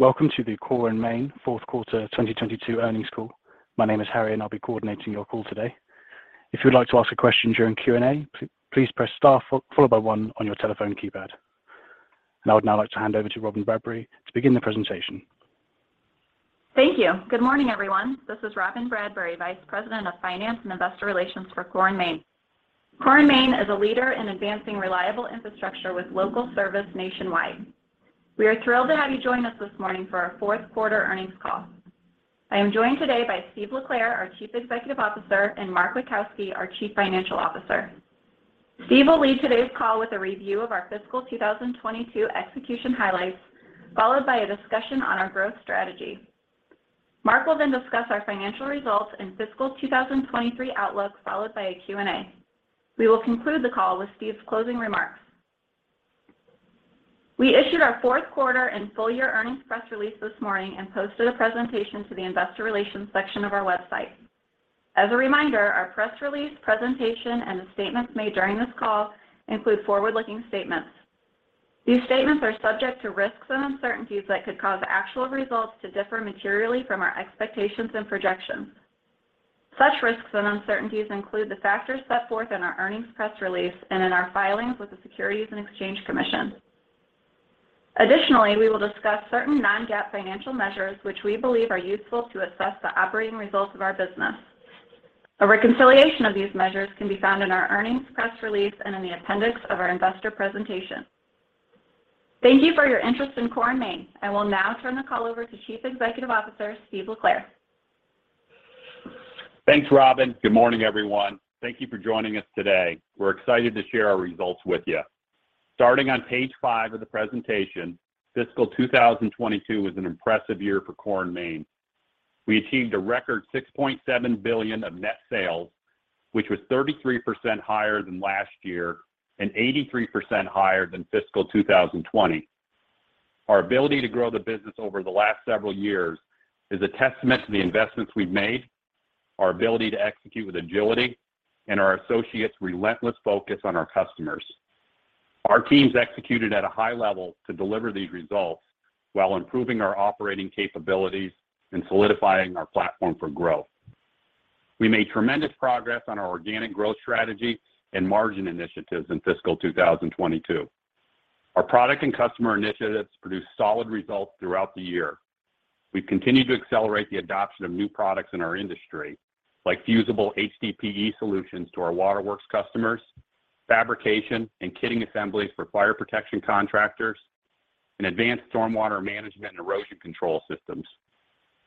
Welcome to the Core & Main Fourth Quarter 2022 earnings call. My name is Harry, I'll be coordinating your call today. If you'd like to ask a question during Q&A, please press star followed by one on your telephone keypad. I would now like to hand over to Robyn Bradbury to begin the presentation. Thank you. Good morning, everyone. This is Robyn Bradbury, Vice President of Finance and Investor Relations for Core & Main. Core & Main is a leader in advancing reliable infrastructure with local service nationwide. We are thrilled to have you join us this morning for our Fourth Quarter earnings call. I am joined today by Steve LeClair, our Chief Executive Officer, and Mark Witkowski, our Chief Financial Officer. Steve will lead today's call with a review of our fiscal 2022 execution highlights, followed by a discussion on our growth strategy. Mark will discuss our financial results and fiscal 2023 outlook, followed by a Q&A. We will conclude the call with Steve's closing remarks. We issued our fourth quarter and full-year earnings press release this morning and posted a presentation to the investor relations section of our website. As a reminder, our press release, presentation, and the statements made during this call include forward-looking statements. These statements are subject to risks and uncertainties that could cause actual results to differ materially from our expectations and projections. Such risks and uncertainties include the factors set forth in our earnings press release and in our filings with the Securities and Exchange Commission. Additionally, we will discuss certain non-GAAP financial measures which we believe are useful to assess the operating results of our business. A reconciliation of these measures can be found in our earnings press release and in the appendix of our investor presentation. Thank you for your interest in Core & Main. I will now turn the call over to Chief Executive Officer, Steve LeClair. Thanks, Robyn. Good morning, everyone. Thank you for joining us today. We're excited to share our results with you. Starting on page five of the presentation, Fiscal 2022 was an impressive year for Core & Main. We achieved a record $6.7 billion of net sales, which was 33% higher than last year and 83% higher than Fiscal 2020. Our ability to grow the business over the last several years is a testament to the investments we've made, our ability to execute with agility, and our associates' relentless focus on our customers. Our teams executed at a high level to deliver these results while improving our operating capabilities and solidifying our platform for growth. We made tremendous progress on our organic growth strategy and margin initiatives in Fiscal 2022. Our product and customer initiatives produced solid results throughout the year. We've continued to accelerate the adoption of new products in our industry, like fusible HDPE solutions to our waterworks customers, fire protection fabrication and kitting assemblies for fire protection contractors, and advanced stormwater management and erosion control systems.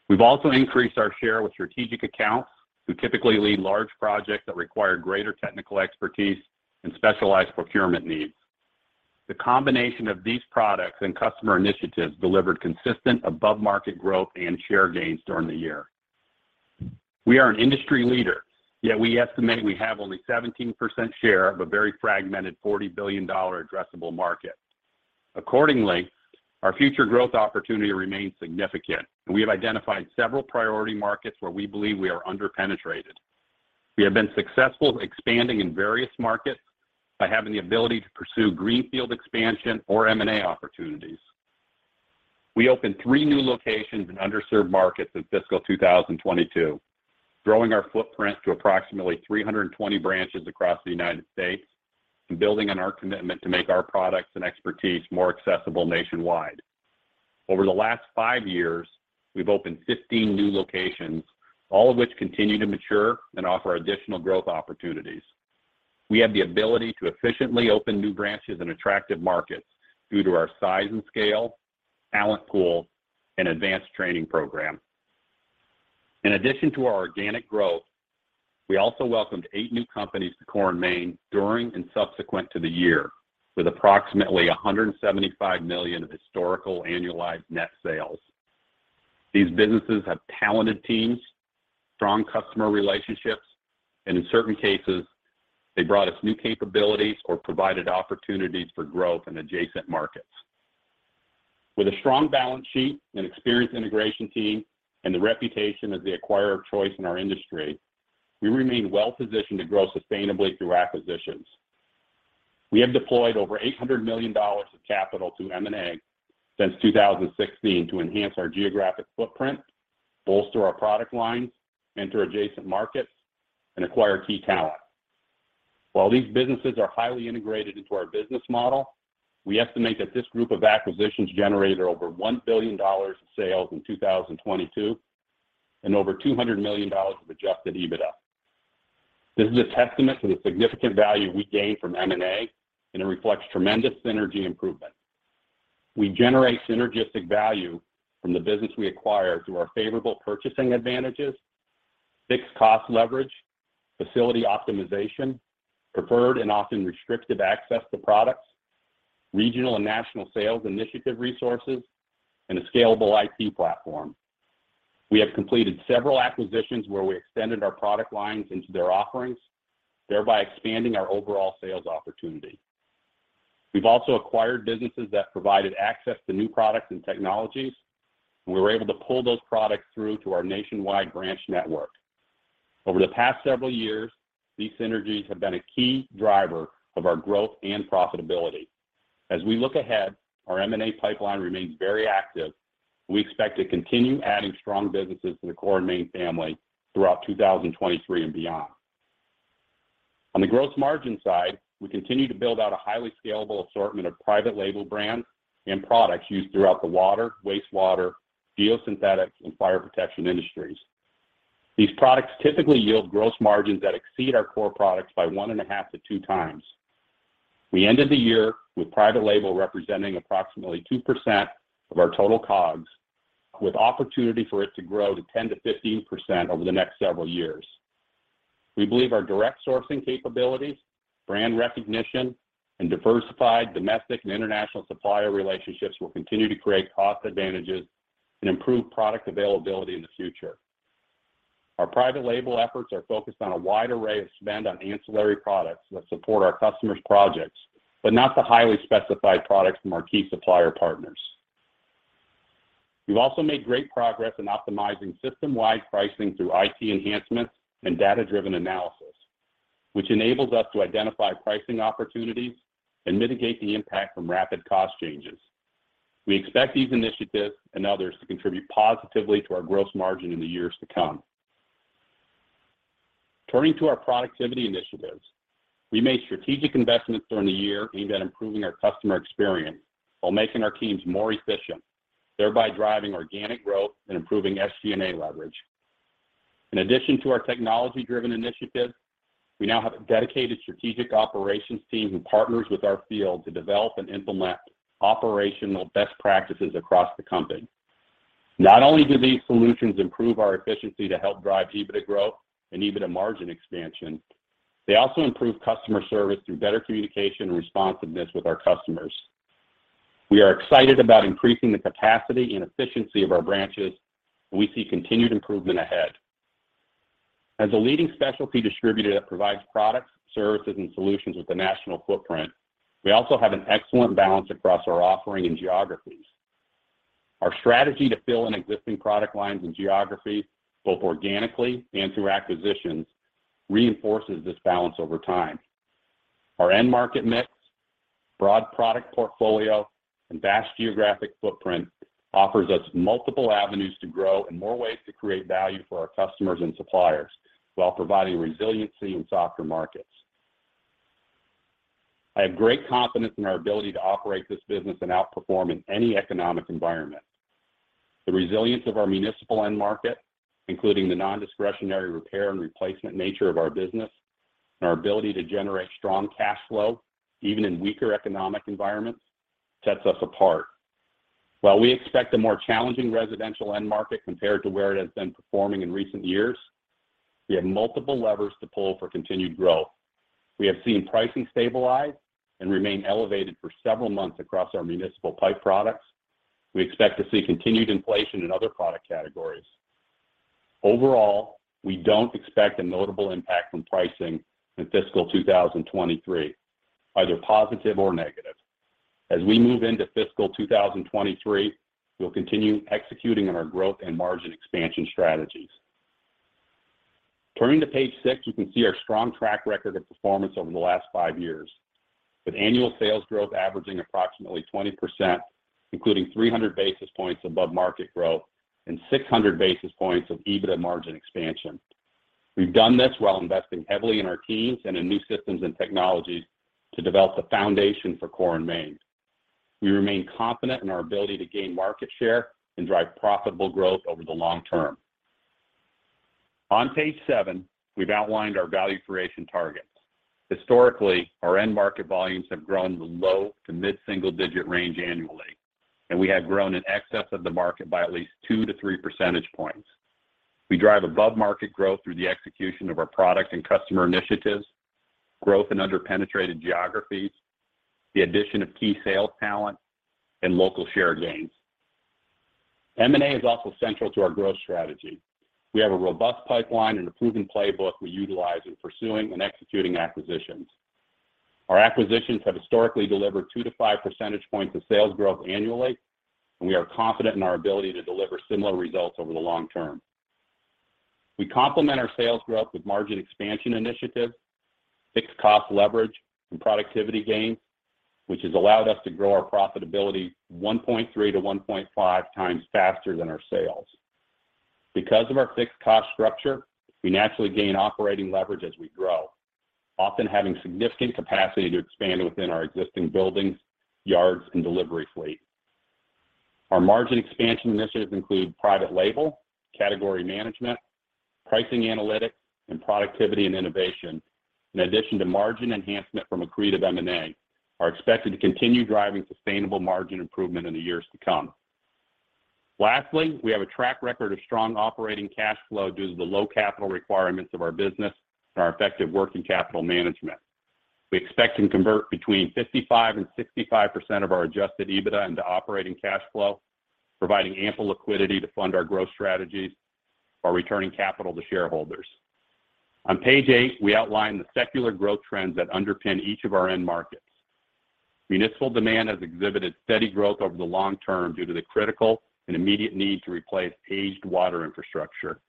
We've also increased our share with strategic accounts who typically lead large projects that require greater technical expertise and specialized procurement needs. The combination of these products and customer initiatives delivered consistent above-market growth and share gains during the year. We are an industry leader, yet we estimate we have only 17% share of a very fragmented $40 billion addressable market. Accordingly, our future growth opportunity remains significant, and we have identified several priority markets where we believe we are under-penetrated. We have been successful expanding in various markets by having the ability to pursue greenfield expansion or M&A opportunities. We opened three new locations in underserved markets in Fiscal 2022, growing our footprint to approximately 320 branches across the United States and building on our commitment to make our products and expertise more accessible nationwide. Over the last five years, we've opened 15 new locations, all of which continue to mature and offer additional growth opportunities. We have the ability to efficiently open new branches in attractive markets due to our size and scale, talent pool, and advanced training program. In addition to our organic growth, we also welcomed eight new companies to Core & Main during and subsequent to the year with approximately $175 million of historical annualized net sales. These businesses have talented teams, strong customer relationships, and in certain cases, they brought us new capabilities or provided opportunities for growth in adjacent markets. With a strong balance sheet, an experienced integration team, and the reputation as the acquirer of choice in our industry, we remain well-positioned to grow sustainably through acquisitions. We have deployed over $800 million of capital through M&A since 2016 to enhance our geographic footprint, bolster our product lines, enter adjacent markets, and acquire key talent. While these businesses are highly integrated into our business model, we estimate that this group of acquisitions generated over $1 billion of sales in 2022 and over $200 million of Adjusted EBITDA. This is a testament to the significant value we gain from M&A, and it reflects tremendous synergy improvement. We generate synergistic value from the business we acquire through our favorable purchasing advantages, fixed cost leverage, facility optimization, preferred and often restrictive access to products, regional and national sales initiative resources, and a scalable IT platform. We have completed several acquisitions where we extended our product lines into their offerings, thereby expanding our overall sales opportunity. We've also acquired businesses that provided access to new products and technologies, and we were able to pull those products through to our nationwide branch network. Over the past several years, these synergies have been a key driver of our growth and profitability. As we look ahead, our M&A pipeline remains very active. We expect to continue adding strong businesses to the Core & Main family throughout 2023 and beyond. On the growth margin side, we continue to build out a highly scalable assortment of private label brands and products used throughout the water, wastewater, geosynthetics, and fire protection industries. These products typically yield gross margins that exceed our core products by one and a half to two times. We ended the year with private label representing approximately 2% of our total COGS, with opportunity for it to grow to 10%-15% over the next several years. We believe our direct sourcing capabilities, brand recognition, and diversified domestic and international supplier relationships will continue to create cost advantages and improve product availability in the future. Our private label efforts are focused on a wide array of spend on ancillary products that support our customers' projects, but not the highly specified products from our key supplier partners. We've also made great progress in optimizing system-wide pricing through IT enhancements and data-driven analysis, which enables us to identify pricing opportunities and mitigate the impact from rapid cost changes. We expect these initiatives and others to contribute positively to our gross margin in the years to come. Turning to our productivity initiatives, we made strategic investments during the year aimed at improving our customer experience while making our teams more efficient, thereby driving organic growth and improving SG&A leverage. In addition to our technology-driven initiatives, we now have a dedicated strategic operations team who partners with our field to develop and implement operational best practices across the company. Not only do these solutions improve our efficiency to help drive EBITDA growth and EBITDA margin expansion, they also improve customer service through better communication and responsiveness with our customers. We are excited about increasing the capacity and efficiency of our branches. We see continued improvement ahead. As a leading specialty distributor that provides products, services, and solutions with a national footprint, we also have an excellent balance across our offering and geographies. Our strategy to fill in existing product lines and geographies, both organically and through acquisitions, reinforces this balance over time. Our end market mix, broad product portfolio, and vast geographic footprint offers us multiple avenues to grow and more ways to create value for our customers and suppliers while providing resiliency in softer markets. I have great confidence in our ability to operate this business and outperform in any economic environment. The resilience of our municipal end market, including the nondiscretionary repair and replacement nature of our business and our ability to generate strong cash flow, even in weaker economic environments, sets us apart. While we expect a more challenging residential end market compared to where it has been performing in recent years, we have multiple levers to pull for continued growth. We have seen pricing stabilize and remain elevated for several months across our municipal pipe products. We expect to see continued inflation in other product categories. Overall, we don't expect a notable impact from pricing in Fiscal 2023, either positive or negative. As we move into Fiscal 2023, we'll continue executing on our growth and margin expansion strategies. Turning to page six, you can see our strong track record of performance over the last five years, with annual sales growth averaging approximately 20%, including 300 basis points above market growth and 600 basis points of EBITDA margin expansion. We've done this while investing heavily in our teams and in new systems and technologies to develop the foundation for Core & Main. We remain confident in our ability to gain market share and drive profitable growth over the long-term. On page seven, we've outlined our value creation targets. Historically, our end market volumes have grown in the low to mid-single digit range annually, and we have grown in excess of the market by at least 2-3 percentage points. We drive above-market growth through the execution of our product and customer initiatives, growth in under-penetrated geographies, the addition of key sales talent, and local share gains. M&A is also central to our growth strategy. We have a robust pipeline and a proven playbook we utilize in pursuing and executing acquisitions. Our acquisitions have historically delivered 2-5 percentage points of sales growth annually, and we are confident in our ability to deliver similar results over the long-term. We complement our sales growth with margin expansion initiatives, fixed cost leverage, and productivity gains, which has allowed us to grow our profitability 1.3-1.5 times faster than our sales. Because of our fixed cost structure, we naturally gain operating leverage as we grow, often having significant capacity to expand within our existing buildings, yards, and delivery fleet. Our margin expansion initiatives include private label, category management, pricing analytics, and productivity and innovation. In addition to margin enhancement from accretive M&A, are expected to continue driving sustainable margin improvement in the years to come. Lastly, we have a track record of strong operating cash flow due to the low capital requirements of our business and our effective working capital management. We expect to convert between 55% and 65% of our Adjusted EBITDA into operating cash flow, providing ample liquidity to fund our growth strategies while returning capital to shareholders. On page eight, we outline the secular growth trends that underpin each of our end markets. Municipal demand has exhibited steady growth over the long-term due to the critical and immediate need to replace aged water infrastructure.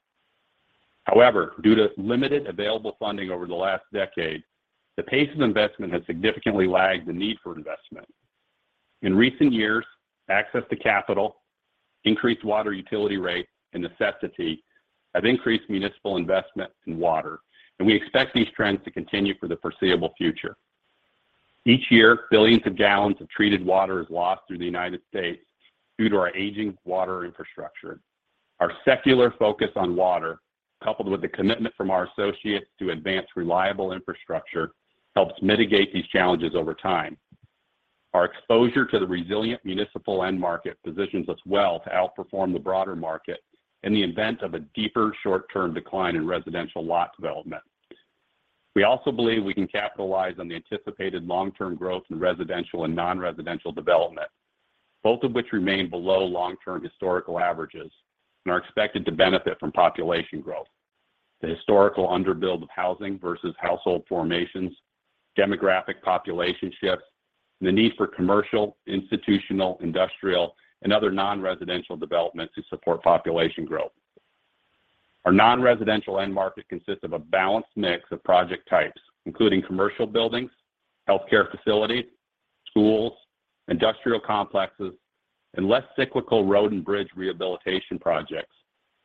Due to limited available funding over the last decade, the pace of investment has significantly lagged the need for investment. In recent years, access to capital, increased water utility rates, and necessity have increased municipal investment in water, and we expect these trends to continue for the foreseeable future. Each year, billions of gallons of treated water is lost through the United States due to our aging water infrastructure. Our secular focus on water, coupled with the commitment from our associates to advance reliable infrastructure, helps mitigate these challenges over time. Our exposure to the resilient municipal end market positions us well to outperform the broader market in the event of a deeper short-term decline in residential lot development. We also believe we can capitalize on the anticipated long-term growth in residential and non-residential development, both of which remain below long-term historical averages and are expected to benefit from population growth. The historical underbuild of housing versus household formations, demographic population shifts, and the need for commercial, institutional, industrial, and other non-residential development to support population growth. Our non-residential end market consists of a balanced mix of project types, including commercial buildings, healthcare facilities, schools, industrial complexes, and less cyclical road and bridge rehabilitation projects,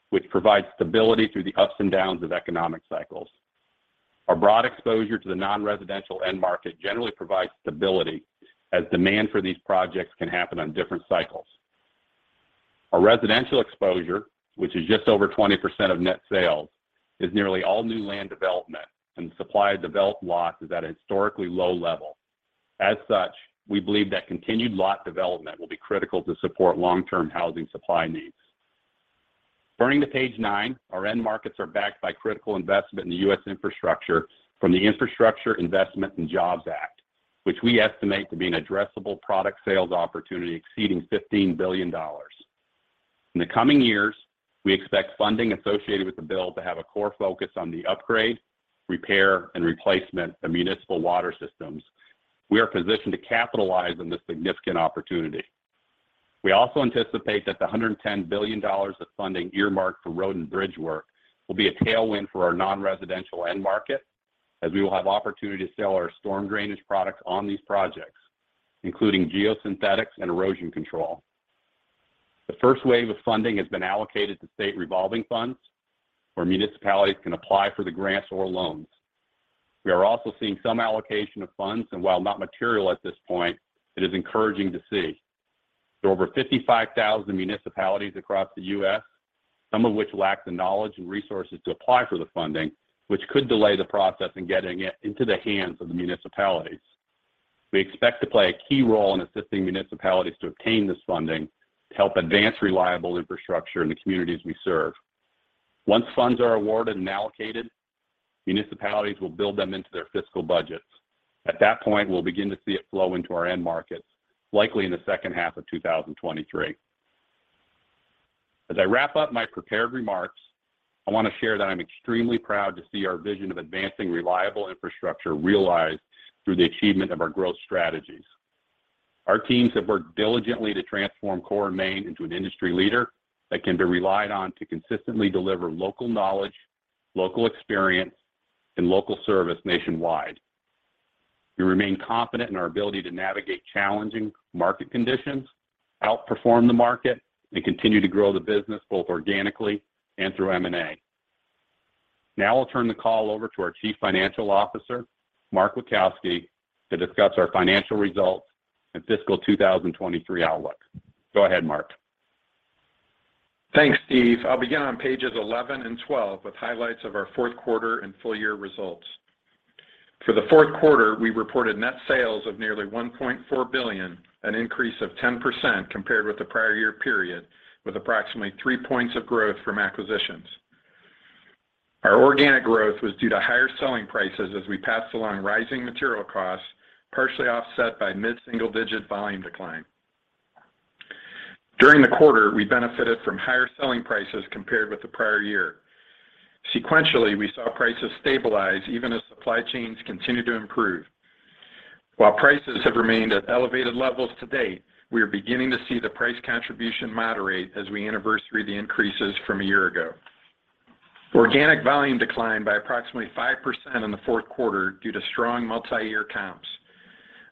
which provide stability through the ups and downs of economic cycles. Our broad exposure to the non-residential end market generally provides stability as demand for these projects can happen on different cycles. Our residential exposure, which is just over 20% of net sales, is nearly all new land development, and the supply of developed lots is at a historically low level. As such, we believe that continued lot development will be critical to support long-term housing supply needs. Turning to page nine, our end markets are backed by critical investment in the U.S. infrastructure from the Infrastructure Investment and Jobs Act, which we estimate to be an addressable product sales opportunity exceeding $15 billion. In the coming years, we expect funding associated with the bill to have a core focus on the upgrade, repair, and replacement of municipal water systems. We are positioned to capitalize on this significant opportunity. We also anticipate that the $110 billion of funding earmarked for road and bridge work will be a tailwind for our non-residential end market as we will have opportunity to sell our stormwater management products on these projects, including geosynthetics and erosion control. The first wave of funding has been allocated to State Revolving Funds, where municipalities can apply for the grants or loans. While not material at this point, it is encouraging to see. There are over 55,000 municipalities across the U.S., some of which lack the knowledge and resources to apply for the funding, which could delay the process in getting it into the hands of the municipalities. We expect to play a key role in assisting municipalities to obtain this funding to help advance reliable infrastructure in the communities we serve. Once funds are awarded and allocated, municipalities will build them into their fiscal budgets. At that point, we'll begin to see it flow into our end markets, likely in the second half of 2023. As I wrap up my prepared remarks, I want to share that I'm extremely proud to see our vision of advancing reliable infrastructure realized through the achievement of our growth strategies. Our teams have worked diligently to transform Core & Main into an industry leader that can be relied on to consistently deliver local knowledge, local experience, and local service nationwide. We remain confident in our ability to navigate challenging market conditions, outperform the market, and continue to grow the business both organically and through M&A. I'll turn the call over to our Chief Financial Officer, Mark Witkowski, to discuss our financial results and Fiscal 2023 outlook. Go ahead, Mark. Thanks, Steve. I'll begin on pages 11 and 12 with highlights of our fourth quarter and full year results. For the fourth quarter, we reported net sales of nearly $1.4 billion, an increase of 10% compared with the prior year period, with approximately 3 points of growth from acquisitions. Our organic growth was due to higher selling prices as we passed along rising material costs, partially offset by mid-single-digit volume decline. During the quarter, we benefited from higher selling prices compared with the prior year. Sequentially, we saw prices stabilize even as supply chains continued to improve. While prices have remained at elevated levels to date, we are beginning to see the price contribution moderate as we anniversary the increases from a year ago. Organic volume declined by approximately 5% in the fourth quarter due to strong multi-year comps.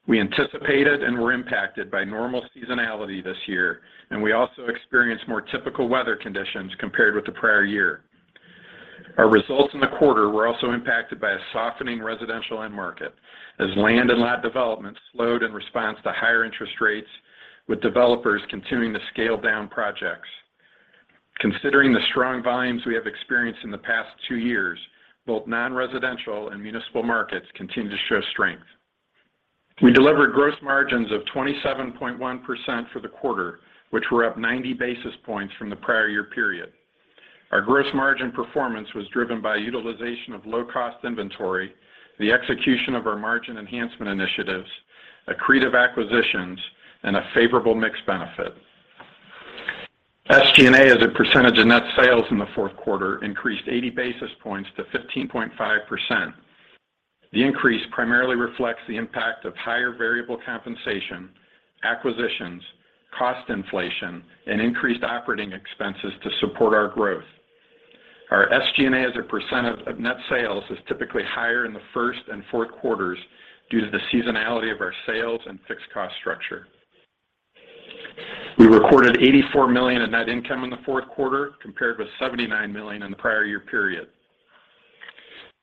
We anticipated and were impacted by normal seasonality this year, we also experienced more typical weather conditions compared with the prior year. Our results in the quarter were also impacted by a softening residential end market as land and lot development slowed in response to higher interest rates with developers continuing to scale down projects. Considering the strong volumes we have experienced in the past two years, both non-residential and municipal markets continue to show strength. We delivered gross margins of 27.1% for the quarter, which were up 90 basis points from the prior year period. Our gross margin performance was driven by utilization of low-cost inventory, the execution of our margin enhancement initiatives, accretive acquisitions, and a favorable mix benefit. SG&A as a percentage of net sales in the fourth quarter increased 80 basis points to 15.5%. The increase primarily reflects the impact of higher variable compensation, acquisitions, cost inflation, and increased operating expenses to support our growth. Our SG&A as a percent of net sales is typically higher in the first and fourth quarters due to the seasonality of our sales and fixed cost structure. We recorded $84 million in net income in the fourth quarter, compared with $79 million in the prior year period.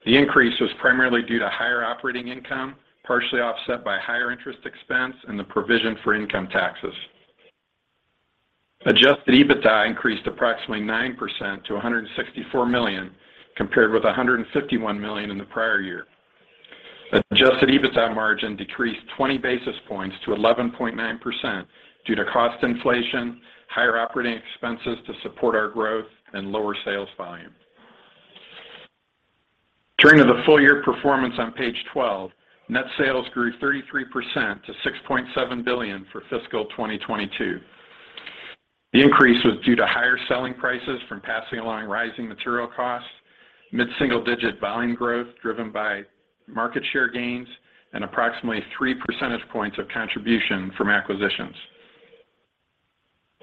The increase was primarily due to higher operating income, partially offset by higher interest expense and the provision for income taxes. Adjusted EBITDA increased approximately 9% to $164 million, compared with $151 million in the prior year. Adjusted EBITDA margin decreased 20 basis points to 11.9% due to cost inflation, higher operating expenses to support our growth, and lower sales volume. Turning to the full year performance on page 12, net sales grew 33% to $6.7 billion for Fiscal 2022. The increase was due to higher selling prices from passing along rising material costs, mid-single-digit volume growth driven by market share gains, and approximately 3 percentage points of contribution from acquisitions.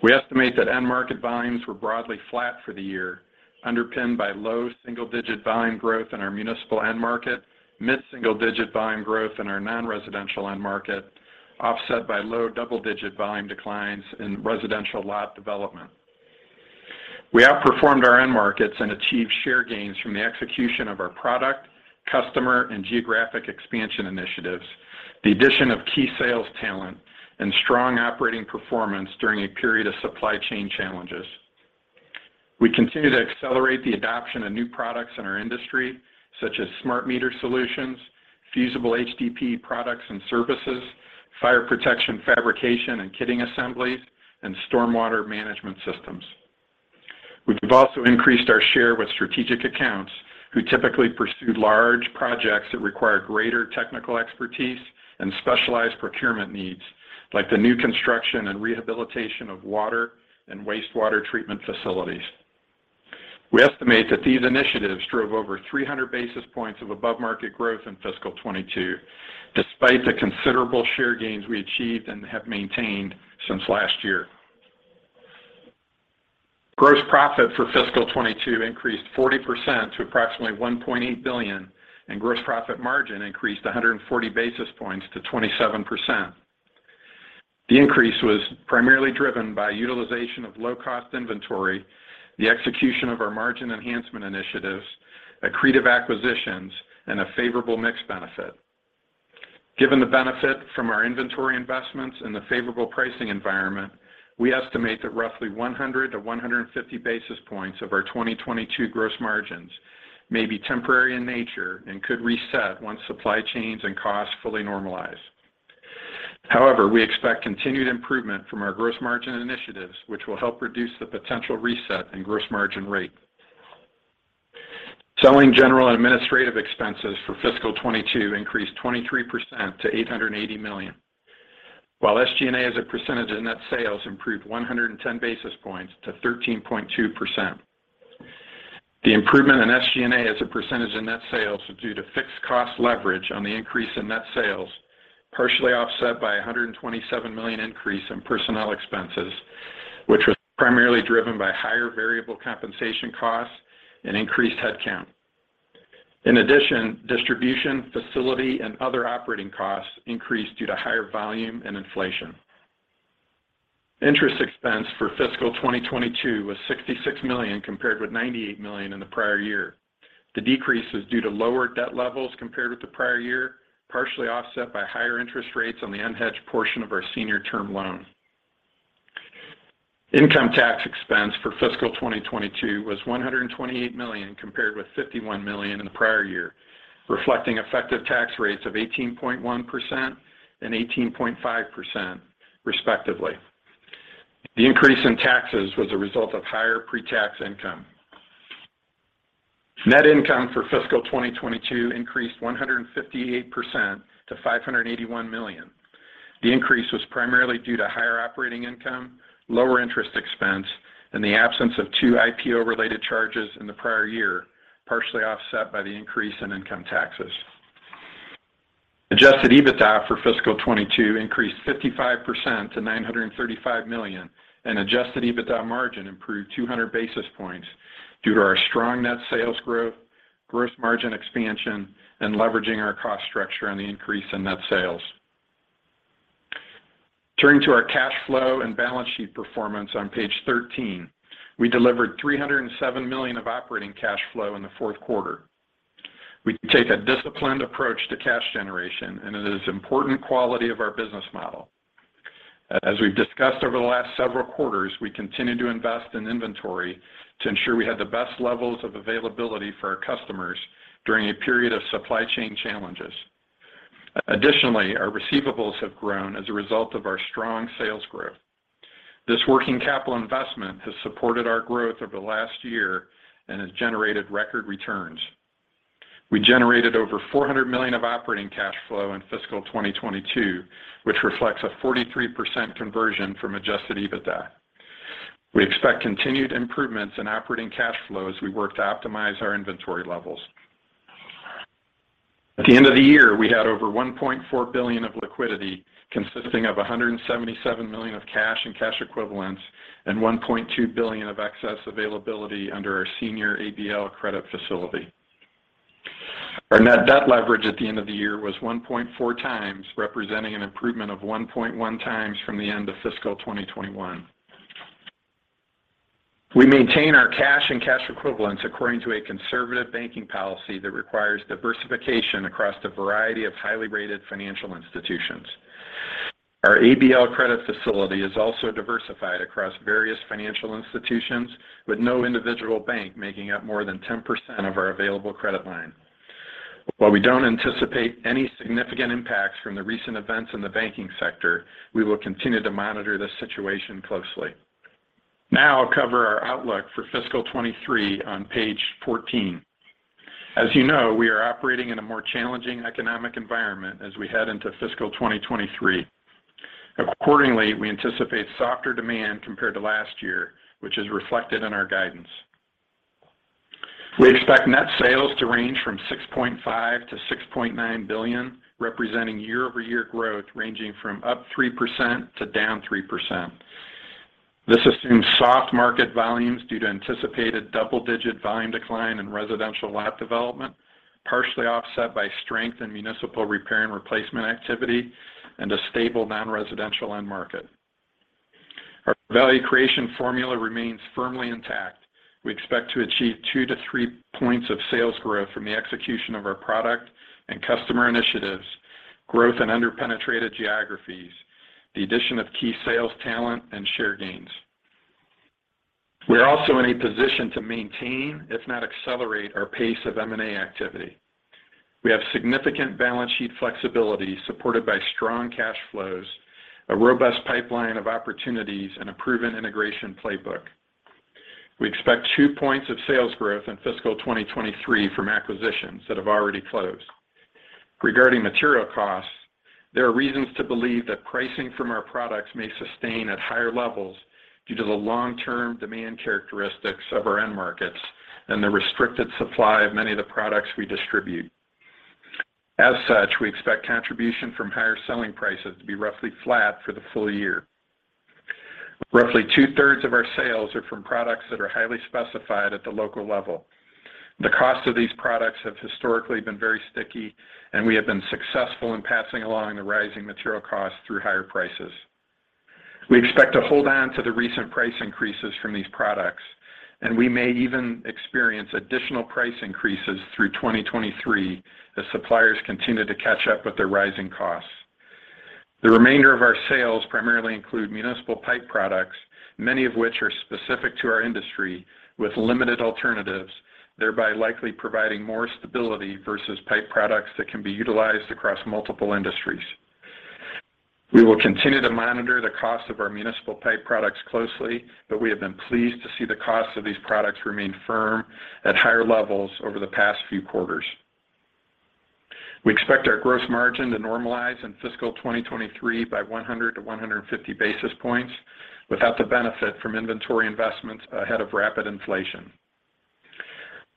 We estimate that end market volumes were broadly flat for the year, underpinned by low single-digit volume growth in our municipal end market, mid-single-digit volume growth in our non-residential end market, offset by low double-digit volume declines in residential lot development. We outperformed our end markets and achieved share gains from the execution of our product, customer, and geographic expansion initiatives, the addition of key sales talent, and strong operating performance during a period of supply chain challenges. We continue to accelerate the adoption of new products in our industry, such as smart meter solutions, fusible HDPE products and services, fire protection fabrication and kitting assemblies, and stormwater management systems. We have also increased our share with strategic accounts who typically pursue large projects that require greater technical expertise and specialized procurement needs, like the new construction and rehabilitation of water and wastewater treatment facilities. We estimate that these initiatives drove over 300 basis points of above-market growth in Fiscal 2022, despite the considerable share gains we achieved and have maintained since last year. Gross profit for Fiscal 2022 increased 40% to approximately $1.8 billion. Gross profit margin increased 140 basis points to 27%. The increase was primarily driven by utilization of low-cost inventory, the execution of our margin enhancement initiatives, accretive acquisitions, and a favorable mix benefit. Given the benefit from our inventory investments and the favorable pricing environment, we estimate that roughly 100-150 basis points of our 2022 gross margins may be temporary in nature and could reset once supply chains and costs fully normalize. However, we expect continued improvement from our gross margin initiatives, which will help reduce the potential reset in gross margin rate. Selling, General, and Administrative expenses for Fiscal 2022 increased 23% to $880 million. While SG&A as a percentage of net sales improved 110 basis points to 13.2%. The improvement in SG&A as a percentage of net sales was due to fixed cost leverage on the increase in net sales, partially offset by a $127 million increase in personnel expenses, which was primarily driven by higher variable compensation costs and increased headcount. In addition, distribution, facility, and other operating costs increased due to higher volume and inflation. Interest expense for Fiscal 2022 was $66 million, compared with $98 million in the prior year. The decrease was due to lower debt levels compared with the prior year, partially offset by higher interest rates on the unhedged portion of our senior term loan. Income tax expense for Fiscal 2022 was $128 million, compared with $51 million in the prior year, reflecting effective tax rates of 18.1% and 18.5% respectively. The increase in taxes was a result of higher pre-tax income. Net income for Fiscal 2022 increased 158% to $581 million. The increase was primarily due to higher operating income, lower interest expense, and the absence of two IPO-related charges in the prior year, partially offset by the increase in income taxes. Adjusted EBITDA for Fiscal 2022 increased 55% to $935 million, and Adjusted EBITDA margin improved 200 basis points due to our strong net sales growth, gross margin expansion, and leveraging our cost structure on the increase in net sales. Turning to our cash flow and balance sheet performance on page 13, we delivered $307 million of operating cash flow in the fourth quarter. We take a disciplined approach to cash generation, and it is an important quality of our business model. As we've discussed over the last several quarters, we continue to invest in inventory to ensure we have the best levels of availability for our customers during a period of supply chain challenges. Additionally, our receivables have grown as a result of our strong sales growth. This working capital investment has supported our growth over the last year and has generated record returns. We generated over $400 million of operating cash flow in Fiscal 2022, which reflects a 43% conversion from Adjusted EBITDA. We expect continued improvements in operating cash flow as we work to optimize our inventory levels. At the end of the year, we had over $1.4 billion of liquidity, consisting of $177 million of cash and cash equivalents and $1.2 billion of excess availability under our senior ABL credit facility. Our net debt leverage at the end of the year was 1.4 times, representing an improvement of 1.1 times from the end of Fiscal 2021. We maintain our cash and cash equivalents according to a conservative banking policy that requires diversification across the variety of highly rated financial institutions. Our ABL credit facility is also diversified across various financial institutions, with no individual bank making up more than 10% of our available credit line. While we don't anticipate any significant impacts from the recent events in the banking sector, we will continue to monitor this situation closely. Now I'll cover our outlook for Fiscal 2023 on page 14. As you know, we are operating in a more challenging economic environment as we head into Fiscal 2023. Accordingly, we anticipate softer demand compared to last year, which is reflected in our guidance. We expect net sales to range from $6.5 billion-$6.9 billion, representing year-over-year growth ranging from up 3% to down 3%. This assumes soft market volumes due to anticipated double-digit volume decline in residential lot development, partially offset by strength in municipal repair and replacement activity and a stable non-residential end market. Our value creation formula remains firmly intact. We expect to achieve 2-3 points of sales growth from the execution of our product and customer initiatives, growth in under-penetrated geographies, the addition of key sales talent, and share gains. We are also in a position to maintain, if not accelerate, our pace of M&A activity. We have significant balance sheet flexibility supported by strong cash flows, a robust pipeline of opportunities, and a proven integration playbook. We expect 2 points of sales growth in fiscal 2023 from acquisitions that have already closed. Regarding material costs, there are reasons to believe that pricing from our products may sustain at higher levels due to the long-term demand characteristics of our end markets and the restricted supply of many of the products we distribute. As such, we expect contribution from higher selling prices to be roughly flat for the full year. Roughly 2/3 of our sales are from products that are highly specified at the local level. The cost of these products have historically been very sticky, and we have been successful in passing along the rising material costs through higher prices. We expect to hold on to the recent price increases from these products, and we may even experience additional price increases through 2023 as suppliers continue to catch up with their rising costs. The remainder of our sales primarily include municipal pipe products, many of which are specific to our industry with limited alternatives, thereby likely providing more stability versus pipe products that can be utilized across multiple industries. We will continue to monitor the cost of our municipal pipe products closely, but we have been pleased to see the cost of these products remain firm at higher levels over the past few quarters. We expect our gross margin to normalize in Fiscal 2023 by 100-150 basis points without the benefit from inventory investments ahead of rapid inflation.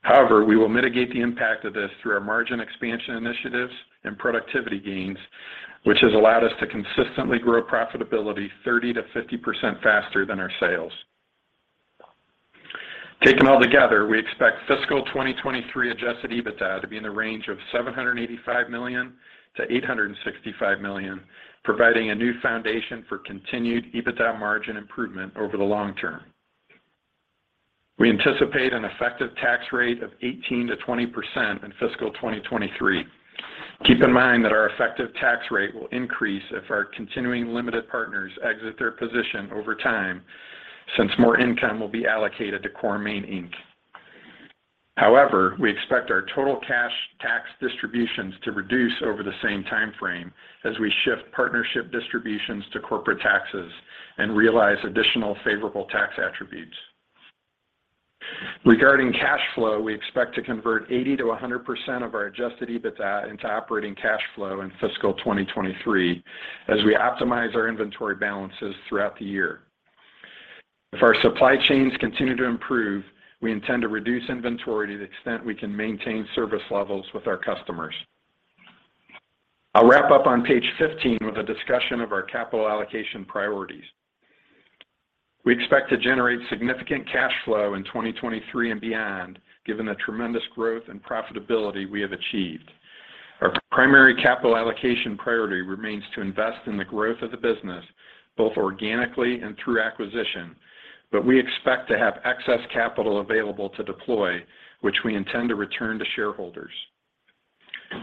However, we will mitigate the impact of this through our margin expansion initiatives and productivity gains, which has allowed us to consistently grow profitability 30%-50% faster than our sales. Taken all together, we expect fiscal 2023 Adjusted EBITDA to be in the range of $785 million-$865 million, providing a new foundation for continued EBITDA margin improvement over the long term. We anticipate an effective tax rate of 18%-20% in Fiscal 2023. Keep in mind that our effective tax rate will increase if our continuing limited partners exit their position over time since more income will be allocated to Core & Main, Inc. However, we expect our total cash tax distributions to reduce over the same time frame as we shift partnership distributions to corporate taxes and realize additional favorable tax attributes. Regarding cash flow, we expect to convert 80%-100% of our Adjusted EBITDA into operating cash flow in Fiscal 2023 as we optimize our inventory balances throughout the year. If our supply chains continue to improve, we intend to reduce inventory to the extent we can maintain service levels with our customers. I'll wrap up on page 15 with a discussion of our capital allocation priorities. We expect to generate significant cash flow in 2023 and beyond, given the tremendous growth and profitability we have achieved. Our primary capital allocation priority remains to invest in the growth of the business, both organically and through acquisition, but we expect to have excess capital available to deploy, which we intend to return to shareholders.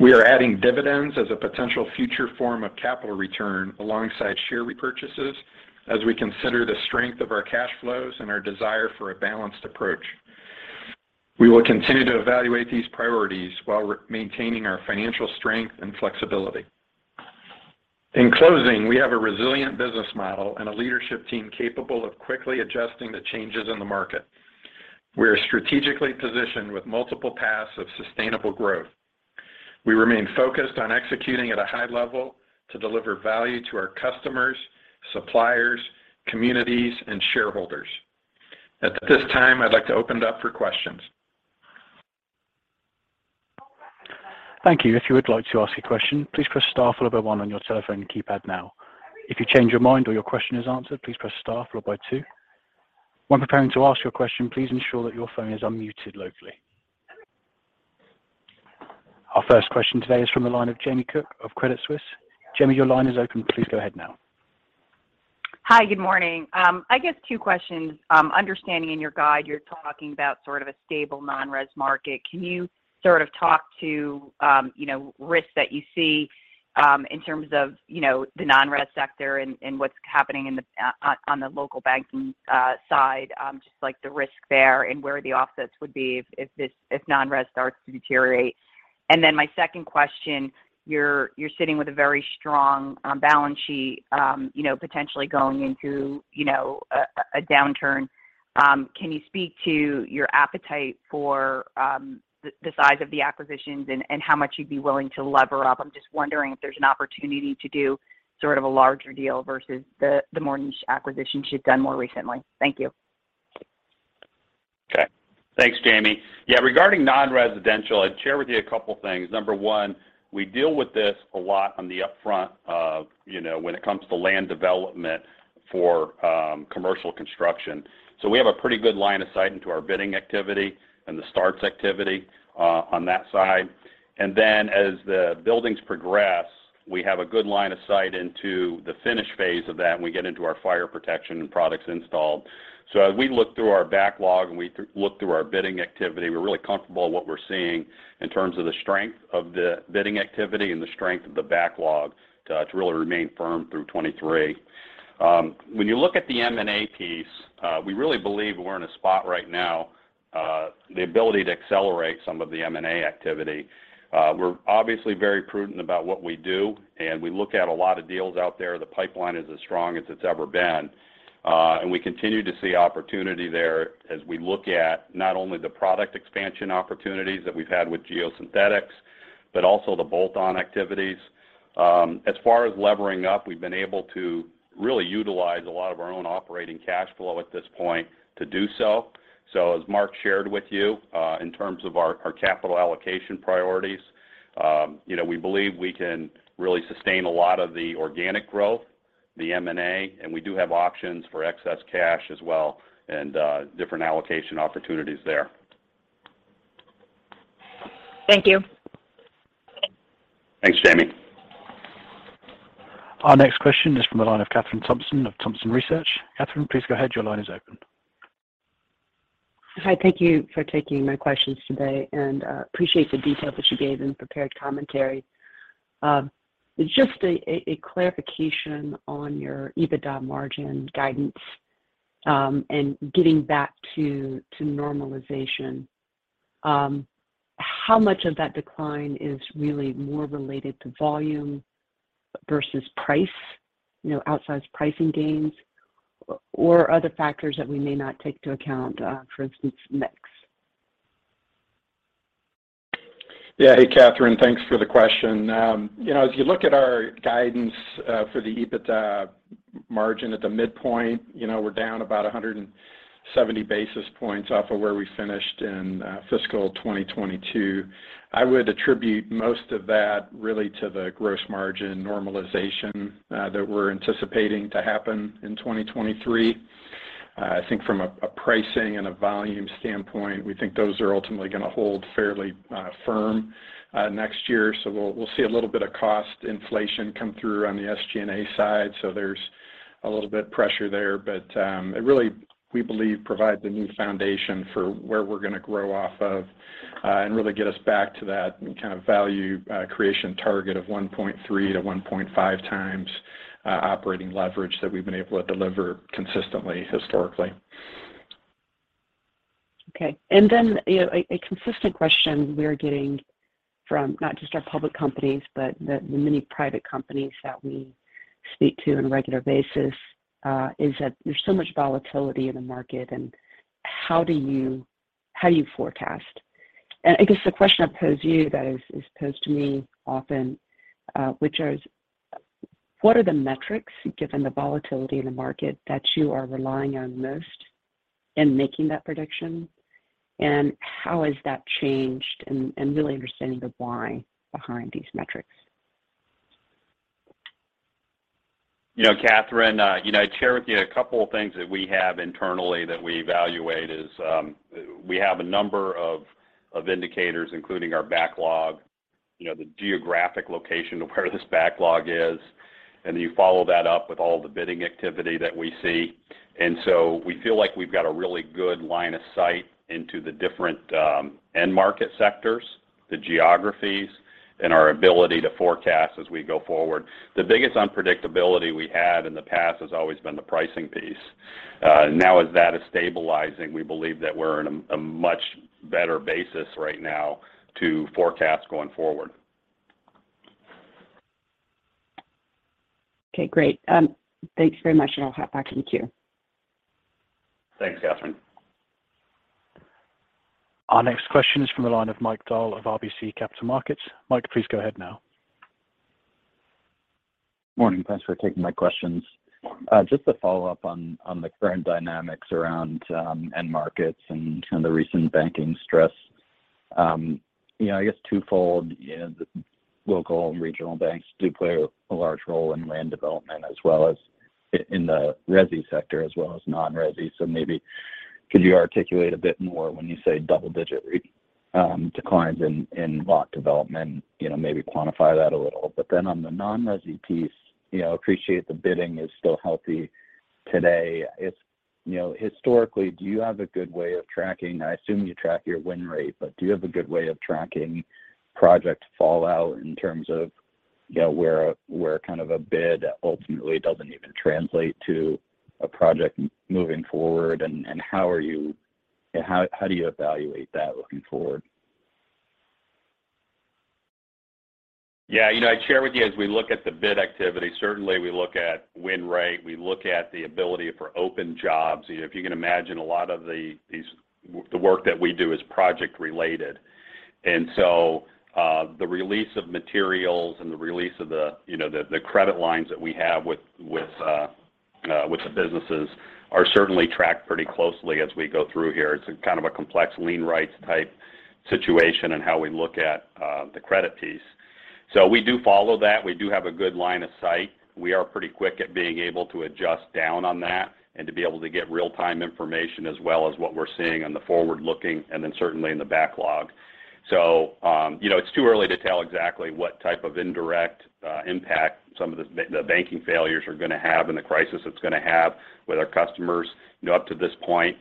We are adding dividends as a potential future form of capital return alongside share repurchases as we consider the strength of our cash flows and our desire for a balanced approach. We will continue to evaluate these priorities while maintaining our financial strength and flexibility. In closing, we have a resilient business model and a leadership team capable of quickly adjusting to changes in the market. We are strategically positioned with multiple paths of sustainable growth. We remain focused on executing at a high level to deliver value to our customers, suppliers, communities, and shareholders. At this time, I'd like to open it up for questions. Thank you. If you would like to ask a question, please press star followed by one on your telephone keypad now. If you change your mind or your question is answered, please press star followed by two. When preparing to ask your question, please ensure that your phone is unmuted locally. Our first question today is from the line of Jamie Cook of Credit Suisse. Jamie, your line is open. Please go ahead now. Hi. Good morning. I guess two questions. Understanding in your guide, you're talking about sort of a stable non-res market. Can you sort of talk to, you know, risks that you see, in terms of, you know, the non-res sector and what's happening on the local banking side, just like the risk there and where the offsets would be if non-res starts to deteriorate? My second question, you're sitting with a very strong balance sheet, you know, potentially going into a downturn. Can you speak to your appetite for the size of the acquisitions and how much you'd be willing to lever up? I'm just wondering if there's an opportunity to do sort of a larger deal versus the more niche acquisitions you've done more recently. Thank you. Okay. Thanks, Jamie. Yeah, regarding non-residential, I'd share with you a couple things. Number one, we deal with this a lot on the upfront of, you know, when it comes to land development for commercial construction. We have a pretty good line of sight into our bidding activity and the starts activity on that side. As the buildings progress, we have a good line of sight into the finish phase of that, and we get into our fire protection and products installed. As we look through our backlog, and we look through our bidding activity, we're really comfortable in what we're seeing in terms of the strength of the bidding activity and the strength of the backlog to really remain firm through 2023. When you look at the M&A piece, we really believe we're in a spot right now, the ability to accelerate some of the M&A activity. We're obviously very prudent about what we do, and we look at a lot of deals out there. The pipeline is as strong as it's ever been. We continue to see opportunity there as we look at not only the product expansion opportunities that we've had with geosynthetics, but also the bolt-on activities. As far as levering up, we've been able to really utilize a lot of our own operating cash flow at this point to do so. As Mark shared with you, in terms of our capital allocation priorities, you know, we believe we can really sustain a lot of the organic growth, the M&A, and we do have options for excess cash as well and different allocation opportunities there. Thank you. Thanks, Jamie. Our next question is from the line of Kathryn Thompson of Thompson Research. Kathryn, please go ahead. Your line is open. Hi, thank you for taking my questions today, and appreciate the detail that you gave in the prepared commentary. Just a clarification on your EBITDA margin guidance, and getting back to normalization. How much of that decline is really more related to volume versus price, you know, outsized pricing gains or other factors that we may not take into account, for instance, mix? Yeah. Hey, Kathryn. Thanks for the question. you know, as you look at our guidance for the EBITDA margin at the midpoint, you know, we're down about 170 basis points off of where we finished in fiscal 2022. I would attribute most of that really to the gross margin normalization that we're anticipating to happen in 2023. I think from a pricing and a volume standpoint, we think those are ultimately gonna hold fairly firm next year. We'll see a little bit of cost inflation come through on the SG&A side, so there's a little bit pressure there. It really, we believe, provides a new foundation for where we're gonna grow off of, and really get us back to that kind of value creation target of 1.3-1.5 times operating leverage that we've been able to deliver consistently historically. Okay. Then, you know, a consistent question we're getting from not just our public companies, but the many private companies that we speak to on a regular basis, is that there's so much volatility in the market, and how do you forecast? I guess the question I pose you that is posed to me often, which is, what are the metrics, given the volatility in the market, that you are relying on most in making that prediction, and how has that changed and really understanding the why behind these metrics? You know, Kathryn, you know, I'd share with you a couple of things that we have internally that we evaluate is, we have a number of indicators, including our backlog, you know, the geographic location of where this backlog is, and then you follow that up with all the bidding activity that we see. We feel like we've got a really good line of sight into the different end market sectors, the geographies, and our ability to forecast as we go forward. The biggest unpredictability we had in the past has always been the pricing piece. Now as that is stabilizing, we believe that we're in a much better basis right now to forecast going forward. Okay, great. Thanks very much. I'll hop back in the queue. Thanks, Kathryn. Our next question is from the line of Mike Dahl of RBC Capital Markets. Mike, please go ahead now. Morning. Thanks for taking my questions. Just to follow up on the current dynamics around end markets and the recent banking stress. You know, I guess twofold. You know, the local and regional banks do play a large role in land development as well as in the resi sector as well as non-resi. Maybe could you articulate a bit more when you say double-digit declines in lot development, you know, maybe quantify that a little. On the non-resi piece, you know, appreciate the bidding is still healthy today. If, you know, historically, do you have a good way of tracking, I assume you track your win rate, but do you have a good way of tracking project fallout in terms of, you know, where kind of a bid ultimately doesn't even translate to a project moving forward, and how do you evaluate that looking forward? Yeah. You know, I'd share with you as we look at the bid activity, certainly we look at win rate. We look at the ability for open jobs. You know, if you can imagine a lot of the work that we do is project related. The release of materials and the release of the credit lines that we have with the businesses are certainly tracked pretty closely as we go through here. It's kind of a complex lien rights type situation in how we look at the credit piece. We do follow that. We do have a good line of sight. We are pretty quick at being able to adjust down on that and to be able to get real-time information as well as what we're seeing on the forward-looking and then certainly in the backlog. You know, it's too early to tell exactly what type of indirect impact some of the banking failures are gonna have and the crisis it's gonna have with our customers. You know, up to this point,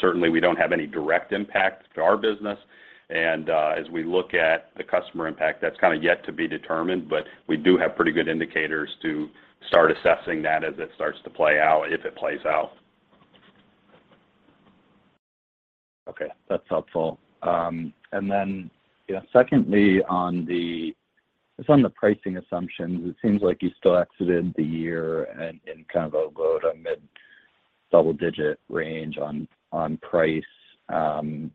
certainly we don't have any direct impact to our business. As we look at the customer impact, that's kinda yet to be determined, but we do have pretty good indicators to start assessing that as it starts to play out, if it plays out. Okay. That's helpful. You know, secondly, on the, just on the pricing assumptions, it seems like you still exited the year in kind of a low to mid double-digit range on price,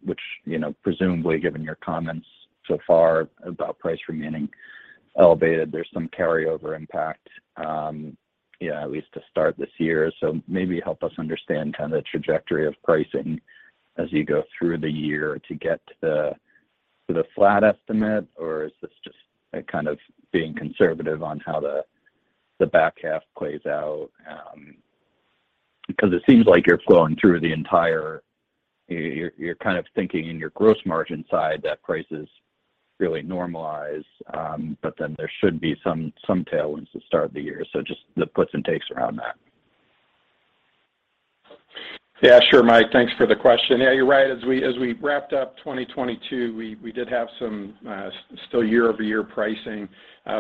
which, you know, presumably given your comments so far about price remaining elevated, there's some carryover impact at least to start this year. Maybe help us understand kind of the trajectory of pricing as you go through the year to get to the flat estimate, or is this just a kind of being conservative on how the back half plays out? It seems like you're kind of thinking in your gross margin side that prices really normalize, there should be some tailwinds to start the year. Just the puts and takes around that. Sure, Mike. Thanks for the question. You're right. As we wrapped up 2022, we did have some still year-over-year pricing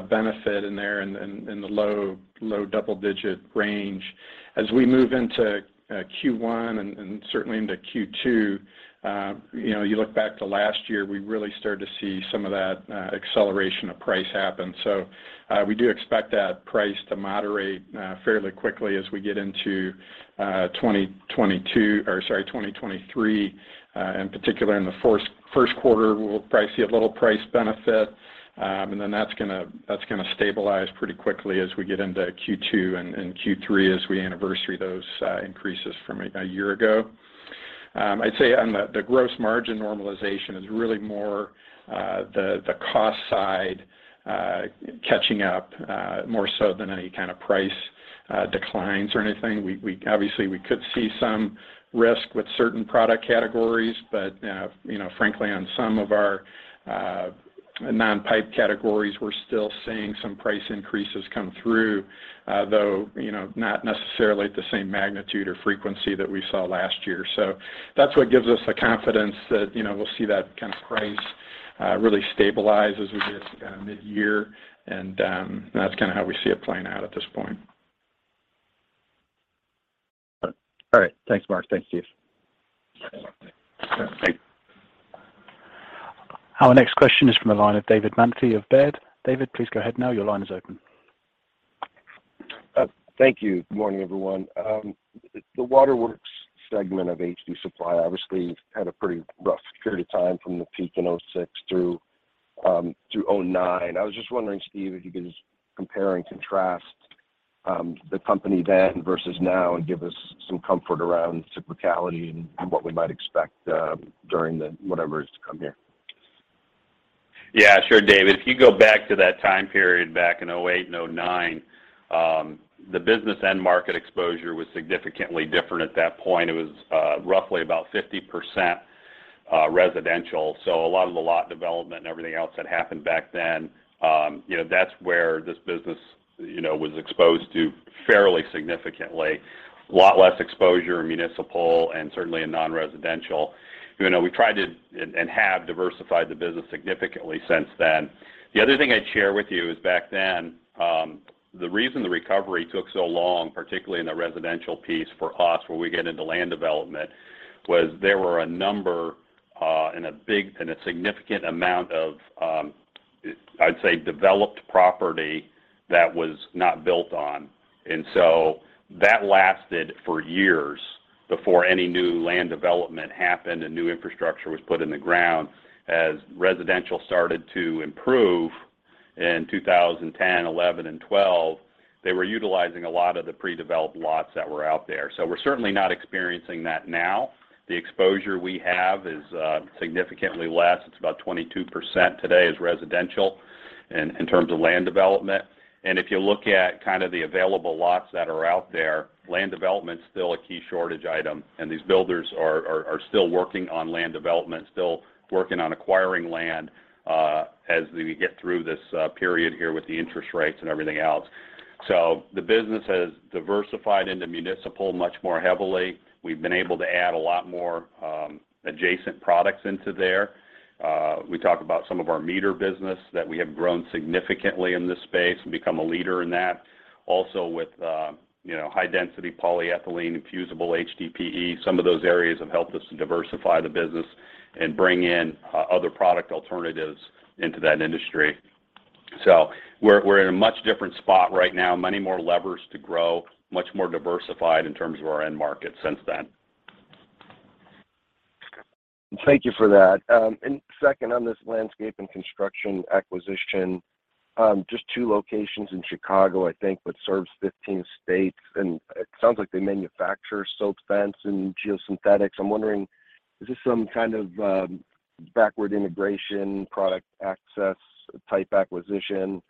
benefit in the low double digit range. As we move into Q1 and certainly into Q2, you know, you look back to last year, we really started to see some of that acceleration of price happen. We do expect that price to moderate fairly quickly as we get into 2023. In particular in the first quarter, we'll probably see a little price benefit. That's gonna stabilize pretty quickly as we get into Q2 and Q3 as we anniversary those increases from a year ago. I'd say on the gross margin normalization is really more the cost side catching up, more so than any kind of price declines or anything. Obviously, we could see some risk with certain product categories, but, you know, frankly, on some of our non-pipe categories, we're still seeing some price increases come through, though, you know, not necessarily at the same magnitude or frequency that we saw last year. That's what gives us the confidence that, you know, we'll see that kind of price really stabilize as we get to kind of midyear, and that's kinda how we see it playing out at this point. All right. Thanks, Mark. Thanks, Steve. Yeah. Our next question is from the line of David Manthey of Baird. David, please go ahead now. Your line is open. Thank you. Good morning, everyone. The waterworks segment of HD Supply obviously had a pretty rough period of time from the peak in 2006 through 2009. I was just wondering, Steve, if you could just compare and contrast the company then versus now and give us some comfort around cyclicality and what we might expect during the whatever is to come here. Yeah. Sure, David. If you go back to that time period back in 2008 and 2009, the business end market exposure was significantly different at that point. It was roughly about 50% residential. A lot of the lot development and everything else that happened back then, you know, that's where this business, you know, was exposed to fairly significantly. A lot less exposure in municipal and certainly in non-residential. You know, we tried to and have diversified the business significantly since then. The other thing I'd share with you is back then, the reason the recovery took so long, particularly in the residential piece for us, where we get into land development, was there were a number and a big and a significant amount of, I'd say developed property that was not built on. That lasted for years before any new land development happened and new infrastructure was put in the ground. As residential started to improve in 2010, 2011, and 2012, they were utilizing a lot of the pre-developed lots that were out there. We're certainly not experiencing that now. The exposure we have is significantly less. It's about 22% today is residential in terms of land development. If you look at kind of the available lots that are out there, land development's still a key shortage item, and these builders are still working on land development, still working on acquiring land as we get through this period here with the interest rates and everything else. The business has diversified into municipal much more heavily. We've been able to add a lot more adjacent products into there. We talk about some of our meter business that we have grown significantly in this space and become a leader in that. Also with, you know, high-density polyethylene and fusible HDPE, some of those areas have helped us to diversify the business and bring in other product alternatives into that industry. We're in a much different spot right now. Many more levers to grow, much more diversified in terms of our end market since then. Thank you for that. Second on this landscape and construction acquisition, just two locations in Chicago I think, but serves 15 states, and it sounds like they manufacture silt fence and geosynthetics. I'm wondering, is this some kind of backward integration, product access type acquisition?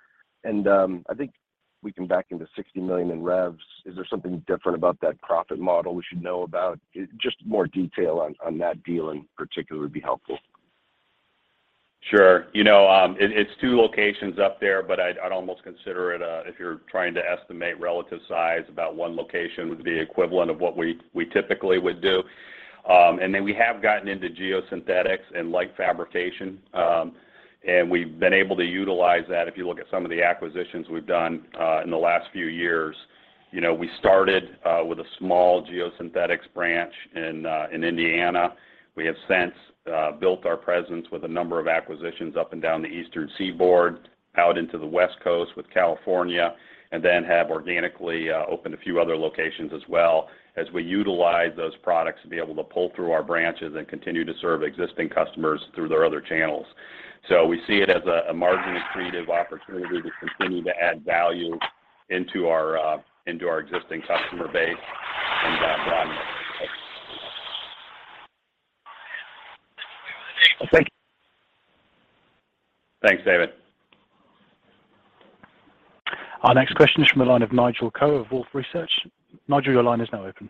I think we can back into $60 million in revs. Is there something different about that profit model we should know about? Just more detail on that deal in particular would be helpful. Sure. You know, it's two locations up there, but I'd almost consider it a, if you're trying to estimate relative size, about one location would be equivalent of what we typically would do. Then we have gotten into geosynthetics and light fabrication, and we've been able to utilize that if you look at some of the acquisitions we've done in the last few years. You know, we started with a small geosynthetics branch in Indiana. We have since built our presence with a number of acquisitions up and down the eastern seaboard, out into the West Coast with California, then have organically opened a few other locations as well as we utilize those products to be able to pull through our branches and continue to serve existing customers through their other channels. We see it as a margin accretive opportunity to continue to add value into our existing customer base and broaden it. Thank. Thanks, David. Our next question is from the line of Nigel Coe of Wolfe Research. Nigel, your line is now open.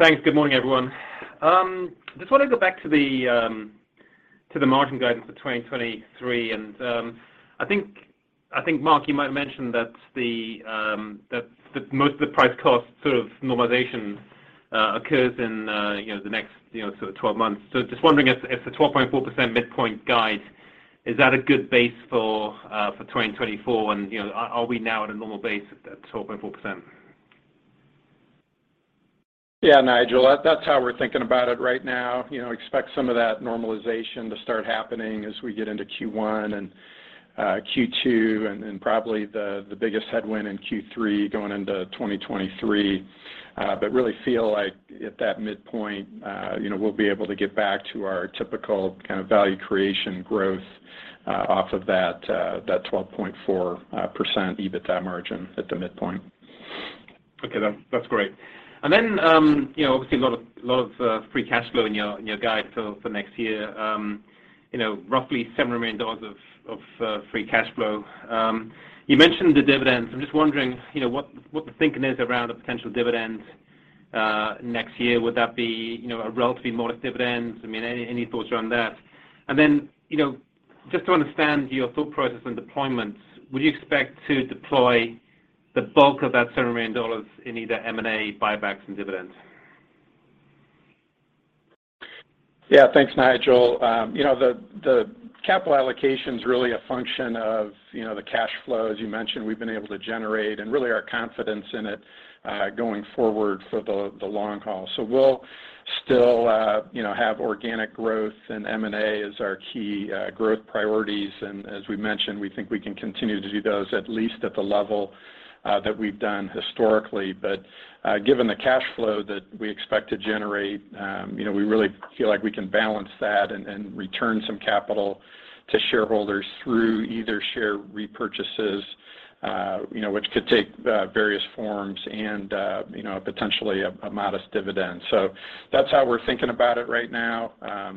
Thanks. Good morning, everyone. Just wanna go back to the margin guidance for 2023. I think, Mark, you might mention that most of the price cost sort of normalization occurs in the next sort of 12 months. Just wondering if the 12.4% midpoint guide, is that a good base for 2024? Are we now at a normal base at that 12.4%? Yeah, Nigel. That's how we're thinking about it right now. You know, expect some of that normalization to start happening as we get into Q1 and Q2, and probably the biggest headwind in Q3 going into 2023. Really feel like at that midpoint, you know, we'll be able to get back to our typical kind of value creation growth off of that 12.4% EBITDA margin at the midpoint. Okay. That's great. Then, you know, obviously a lot of free cash flow in your guide for next year. You know, roughly $7 million of free cash flow. You mentioned the dividends. I'm just wondering, you know, what the thinking is around a potential dividend next year? Would that be, you know, a relatively modest dividend? I mean, any thoughts around that? Then, you know, just to understand your thought process on deployments, would you expect to deploy the bulk of that $7 million in either M&A buybacks and dividends? Yeah. Thanks, Nigel. You know, the capital allocation's really a function of, you know, the cash flow, as you mentioned, we've been able to generate and really our confidence in it going forward for the long haul. We'll still, you know, have organic growth and M&A as our key growth priorities. As we mentioned, we think we can continue to do those at least at the level that we've done historically. Given the cash flow that we expect to generate, you know, we really feel like we can balance that and return some capital to shareholders through either share repurchases, you know, which could take various forms and, you know, potentially a modest dividend. That's how we're thinking about it right now.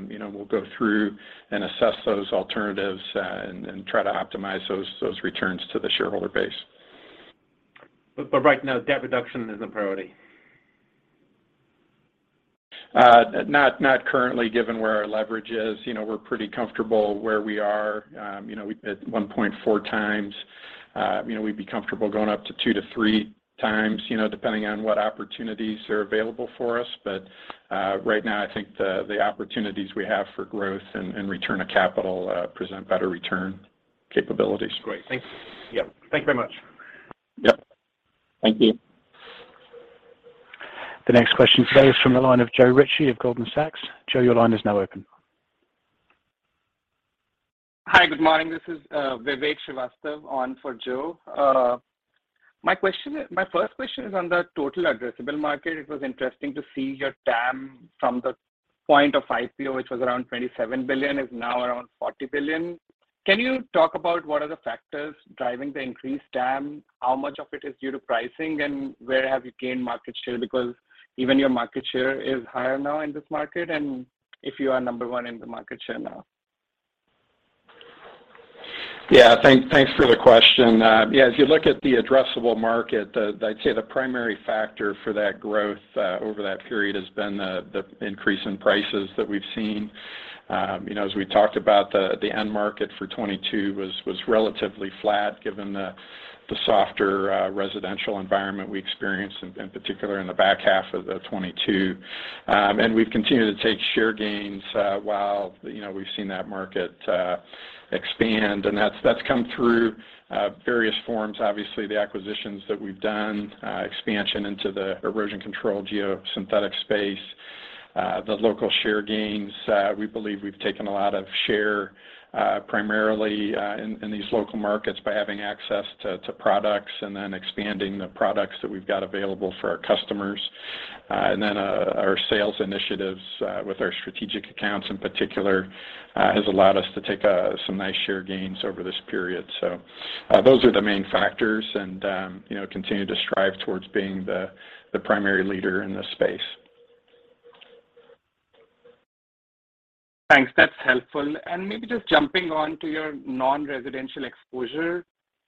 you know, we'll go through and assess those alternatives, and try to optimize those returns to the shareholder base. Right now, debt reduction is a priority. Not currently given where our leverage is. You know, we're pretty comfortable where we are. You know, we at 1.4 times, you know, we'd be comfortable going up to 2 to 3 times, you know, depending on what opportunities are available for us. Right now, I think the opportunities we have for growth and return of capital present better return capabilities. Great. Thanks. Yeah. Thank you very much. Yeah. Thank you. The next question today is from the line of Joe Ritchie of Goldman Sachs. Joe, your line is now open. Hi, good morning. This is Vivek Srivastava on for Joe. My first question is on the total addressable market. It was interesting to see your TAM from the point of IPO, which was around $27 billion, is now around $40 billion. Can you talk about what are the factors driving the increased TAM? How much of it is due to pricing, and where have you gained market share? Even your market share is higher now in this market, and if you are number one in the market share now. Thanks for the question. If you look at the addressable market, I'd say the primary factor for that growth over that period has been the increase in prices that we've seen. You know, as we talked about, the end market for 2022 was relatively flat given the softer residential environment we experienced in particular in the back half of 2022. We've continued to take share gains while, you know, we've seen that market expand, and that's come through various forms. Obviously, the acquisitions that we've done, expansion into the Erosion Control Geosynthetic space, the local share gains. We believe we've taken a lot of share, primarily in these local markets by having access to products and then expanding the products that we've got available for our customers. Our sales initiatives with our strategic accounts in particular has allowed us to take some nice share gains over this period. Those are the main factors and, you know, continue to strive towards being the primary leader in this space. Thanks. That's helpful. Maybe just jumping on to your non-residential exposure,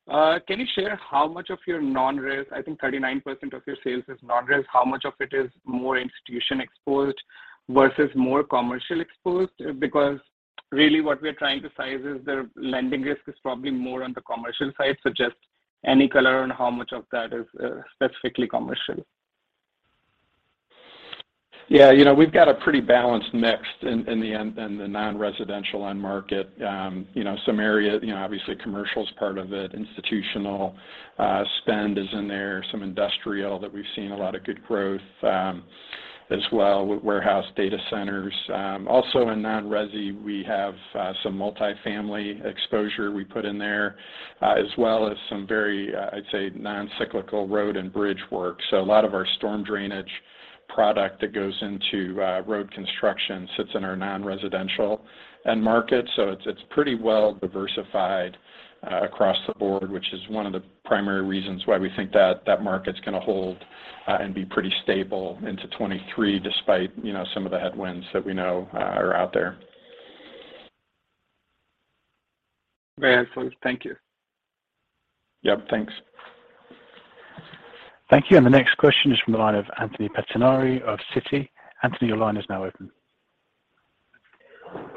can you share how much of your non-res. I think 39% of your sales is non-res. How much of it is more institution exposed versus more commercial exposed? Because really what we're trying to size is the lending risk is probably more on the commercial side. Just any color on how much of that is, specifically commercial. Yeah. You know, we've got a pretty balanced mix in the non-residential end market. You know, some area, you know, obviously commercial is part of it, institutional spend is in there, some industrial that we've seen a lot of good growth, as well warehouse data centers. Also in non-resi, we have some multi-family exposure we put in there, as well as some very, I'd say non-cyclical road and bridge work. A lot of our storm drainage product that goes into road construction sits in our non-residential end market. It's, it's pretty well diversified across the board, which is one of the primary reasons why we think that that market's gonna hold and be pretty stable into 2023, despite, you know, some of the headwinds that we know are out there. Very helpful. Thank you. Yep. Thanks. Thank you. The next question is from the line of Anthony Pettinari of Citi. Anthony, your line is now open.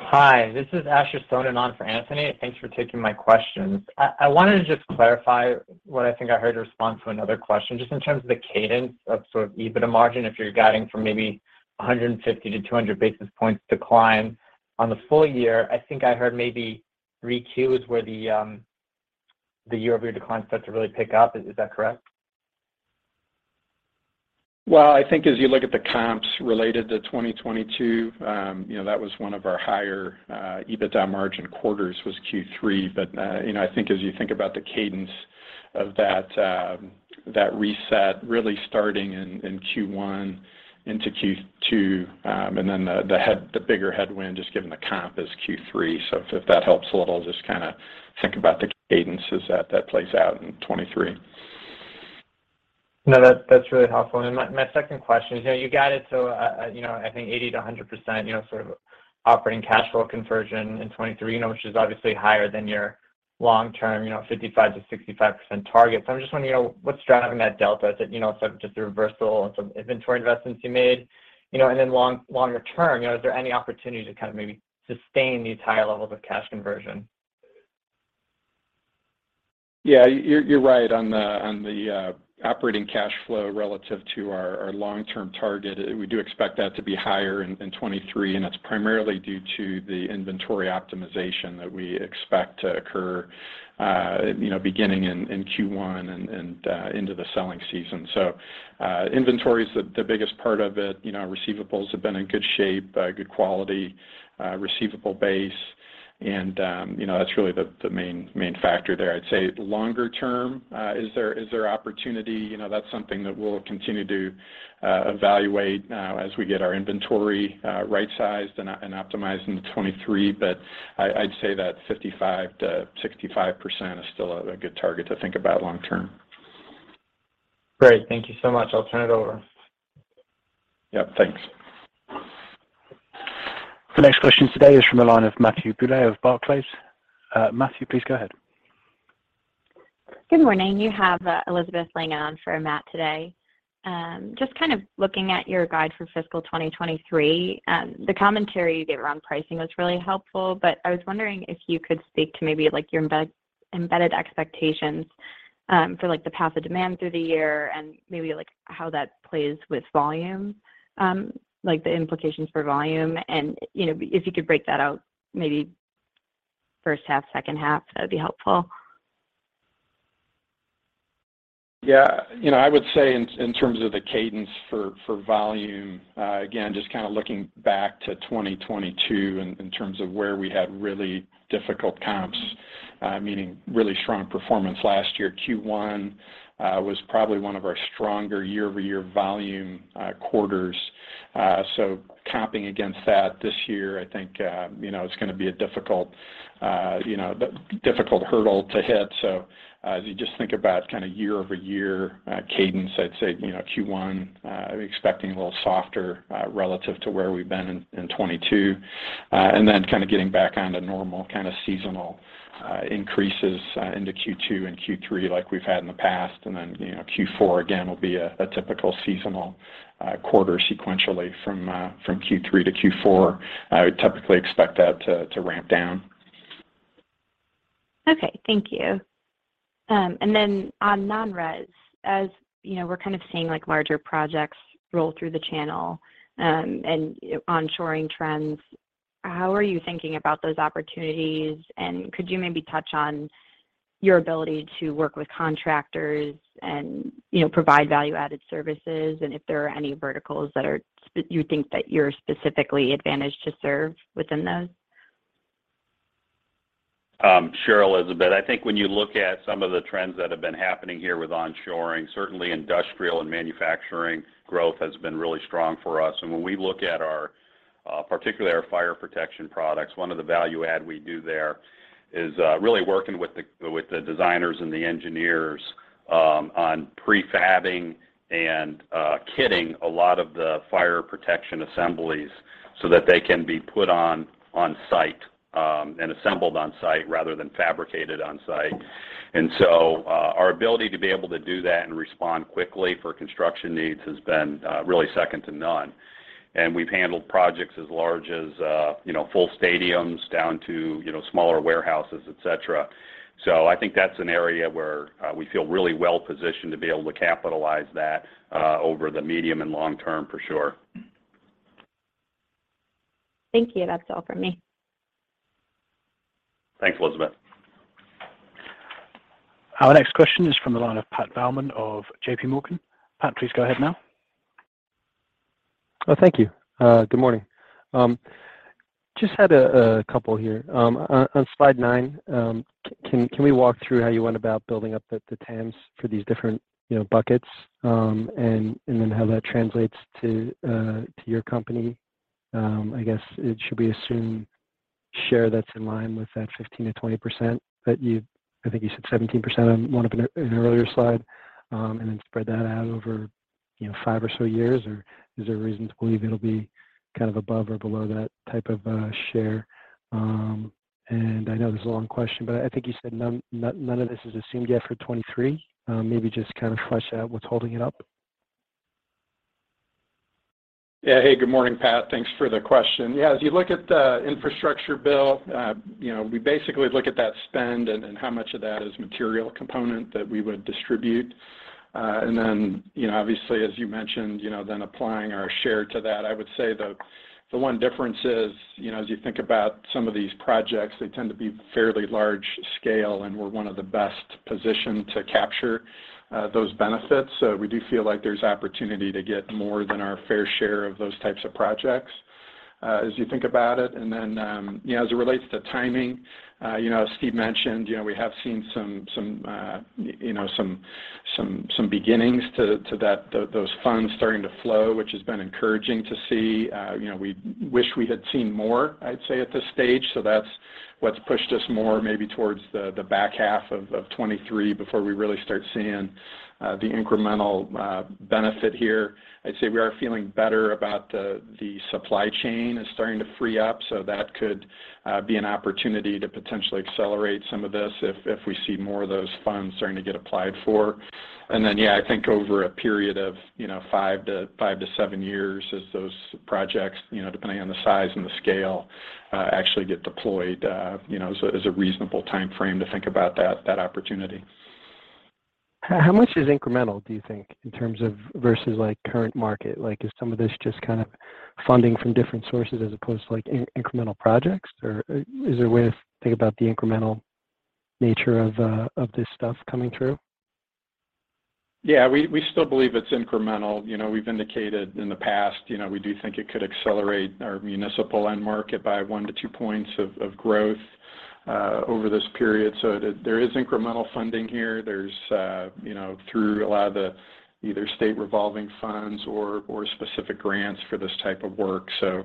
Hi. This is Asher Sohnen in on for Anthony. Thanks for taking my questions. I wanted to just clarify what I think I heard you respond to another question, just in terms of the cadence of sort of EBITDA margin. If you're guiding for maybe 150-200 basis points decline on the full year, I think I heard maybe 3Qs where the year-over-year decline starts to really pick up. Is that correct? Well, I think as you look at the comps related to 2022, you know, that was one of our higher EBITDA margin quarters was Q3. You know, I think as you think about the cadence of that reset really starting in Q1 into Q2, and then the bigger headwind, just given the comp is Q3. If, if that helps a little, just kinda think about the cadences that plays out in 2023. No. That's really helpful. My second question is, you know, you guided, I think 80%-100% you know, sort of operating cash flow conversion in 2023, you know, which is obviously higher than your long term, you know, 55%-65% target. I'm just wondering, you know, what's driving that delta? Is it, you know, sort of just the reversal of some inventory investments you made? Longer term, you know, is there any opportunity to kind of maybe sustain these higher levels of cash conversion? Yeah. You're right on the operating cash flow relative to our long term target. We do expect that to be higher in 2023. That's primarily due to the inventory optimization that we expect to occur, you know, beginning in Q1 and into the selling season. Inventory is the biggest part of it. You know, receivables have been in good shape, good quality, receivable base, and, you know, that's really the main factor there. I'd say longer term, is there opportunity? You know, that's something that we'll continue to evaluate as we get our inventory right-sized and optimized into 2023. I'd say that 55%-65% is still a good target to think about long term. Great. Thank you so much. I'll turn it over. Yep. Thanks. The next question today is from the line of Matthew Bouley of Barclays. Matthew, please go ahead. Good morning. You have Elizabeth Langan on for Matt today. Just kind of looking at your guide for Fiscal 2023, the commentary you gave around pricing was really helpful, but I was wondering if you could speak to maybe, like, your embedded expectations, for, like, the path of demand through the year and maybe, like, how that plays with volume, like the implications for volume. You know, if you could break that out maybe first half, second half, that would be helpful. You know, I would say in terms of the cadence for volume, again, just kind of looking back to 2022 in terms of where we had really difficult comps, meaning really strong performance last year. Q1 was probably one of our stronger year-over-year volume quarters. Comping against that this year, I think, you know, it's gonna be a difficult, you know, difficult hurdle to hit. If you just think about kinda year-over-year cadence, I'd say, you know, Q1, expecting a little softer relative to where we've been in 2022. Then kinda getting back onto normal kinda seasonal increases into Q2 and Q3 like we've had in the past. You know, Q4, again, will be a typical seasonal, quarter sequentially from Q3 to Q4. I would typically expect that to ramp down. Okay. Thank you. On non-res, as, you know, we're kind of seeing like larger projects roll through the channel, and onshoring trends, how are you thinking about those opportunities? Could you maybe touch on your ability to work with contractors and, you know, provide value-added services? If there are any verticals that you think that you're specifically advantaged to serve within those? Sure, Elizabeth. I think when you look at some of the trends that have been happening here with onshoring, certainly industrial and manufacturing growth has been really strong for us. When we look at our particularly our fire protection products, one of the value add we do there is really working with the designers and the engineers on pre-fabbing and kitting a lot of the fire protection assemblies so that they can be put on-site and assembled on-site rather than fabricated on-site. Our ability to be able to do that and respond quickly for construction needs has been really second to none. We've handled projects as large as, you know, full stadiums down to, you know, smaller warehouses, et cetera. I think that's an area where, we feel really well positioned to be able to capitalize that, over the medium and long term for sure. Thank you. That's all for me. Thanks, Elizabeth. Our next question is from the line of Pat Baumann of J.P. Morgan. Pat, please go ahead now. Thank you. Good morning. Just had a couple here. On slide nine, can we walk through how you went about building up the TAMs for these different, you know, buckets? Then how that translates to your company? I guess it should be assumed share that's in line with that 15%-20% that you. I think you said 17% on one of an earlier slide, and then spread that out over, you know, five or so years. Or is there a reason to believe it'll be kind of above or below that type of share? I know this is a long question, but I think you said none of this is assumed yet for 2023. Maybe just kind of flesh out what's holding it up. Yeah. Hey, good morning, Pat. Thanks for the question. Yeah, as you look at the Infrastructure bill, you know, we basically look at that spend and how much of that is material component that we would distribute. Then, you know, obviously as you mentioned, you know, then applying our share to that. I would say the one difference is, you know, as you think about some of these projects, they tend to be fairly large scale, and we're one of the best positioned to capture, those benefits. We do feel like there's opportunity to get more than our fair share of those types of projects, as you think about it. Then, you know, as it relates to timing, you know, as Steve mentioned, you know, we have seen some, you know, some beginnings to that, those funds starting to flow, which has been encouraging to see. You know, we wish we had seen more, I'd say, at this stage. That's what's pushed us more maybe towards the back half of 2023 before we really start seeing, the incremental, benefit here. I'd say we are feeling better about the supply chain is starting to free up, so that could be an opportunity to potentially accelerate some of this if we see more of those funds starting to get applied for. Yeah, I think over a period of, you know, five to seven years as those projects, you know, depending on the size and the scale, actually get deployed, you know, as a, as a reasonable timeframe to think about that opportunity. How much is incremental, do you think, in terms of versus like current market? Like is some of this just kind of funding from different sources as opposed to like incremental projects? Or is there a way to think about the incremental nature of this stuff coming through? We still believe it's incremental. You know, we've indicated in the past, you know, we do think it could accelerate our municipal end market by one to two points of growth over this period. There is incremental funding here. There's, you know, through a lot of the either State Revolving Funds or specific grants for this type of work. You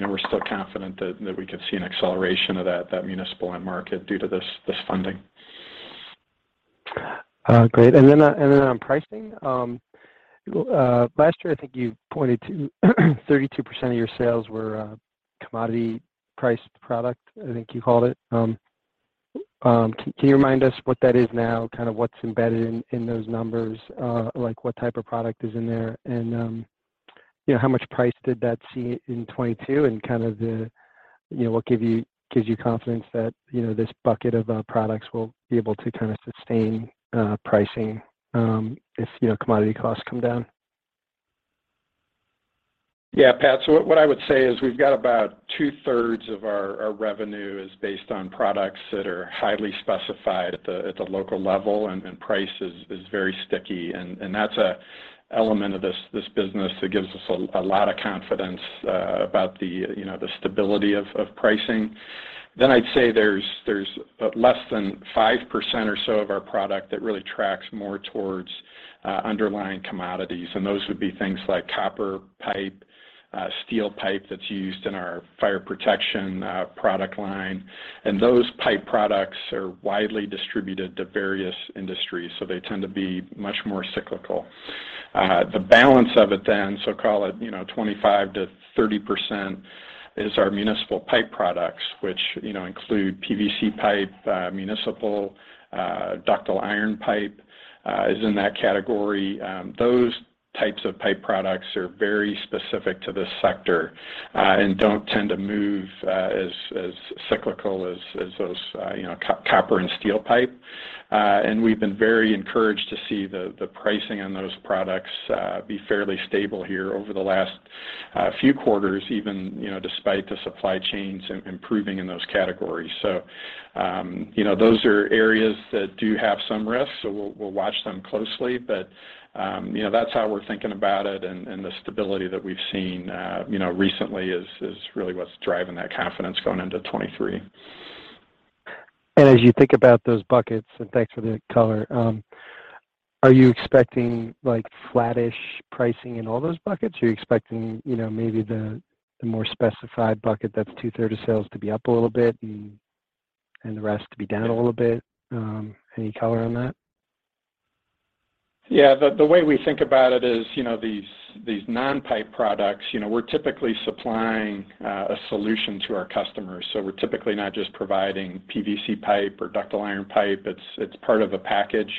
know, we're still confident that we could see an acceleration of that municipal end market due to this funding. Great. Last year I think you pointed to 32% of your sales were commodity priced product, I think you called it. Can you remind us what that is now, kind of what's embedded in those numbers? Like what type of product is in there? How much price did that see in 2022 and kind of what gives you confidence that, you know, this bucket of products will be able to kind of sustain pricing if, you know, commodity costs come down? Pat, what I would say is we've got about 2/3 of our revenue is based on products that are highly specified at the local level, price is very sticky. That's a element of this business that gives us a lot of confidence about the, you know, the stability of pricing. I'd say there's less than 5% or so of our product that really tracks more towards underlying commodities, those would be things like copper pipe, steel pipe that's used in our fire protection product line. Those pipe products are widely distributed to various industries, they tend to be much more cyclical. The balance of it, call it, you know, 25%-30% is our municipal pipe products, which, you know, include PVC pipe, municipal ductile iron pipe is in that category. Those types of pipe products are very specific to this sector, don't tend to move as cyclical as those, you know, copper and steel pipe. We've been very encouraged to see the pricing on those products be fairly stable here over the last few quarters even, you know, despite the supply chains improving in those categories. You know, those are areas that do have some risks, we'll watch them closely. You know, that's how we're thinking about it and the stability that we've seen, you know, recently is really what's driving that confidence going into 2023. As you think about those buckets, and thanks for the color, are you expecting like flattish pricing in all those buckets? Are you expecting, you know, maybe the more specified bucket that's 2/3 of sales to be up a little bit and the rest to be down a little bit? Any color on that? Yeah. The way we think about it is, you know, these non-pipe products, you know, we're typically supplying a solution to our customers. We're typically not just providing PVC pipe or ductile iron pipe. It's part of a package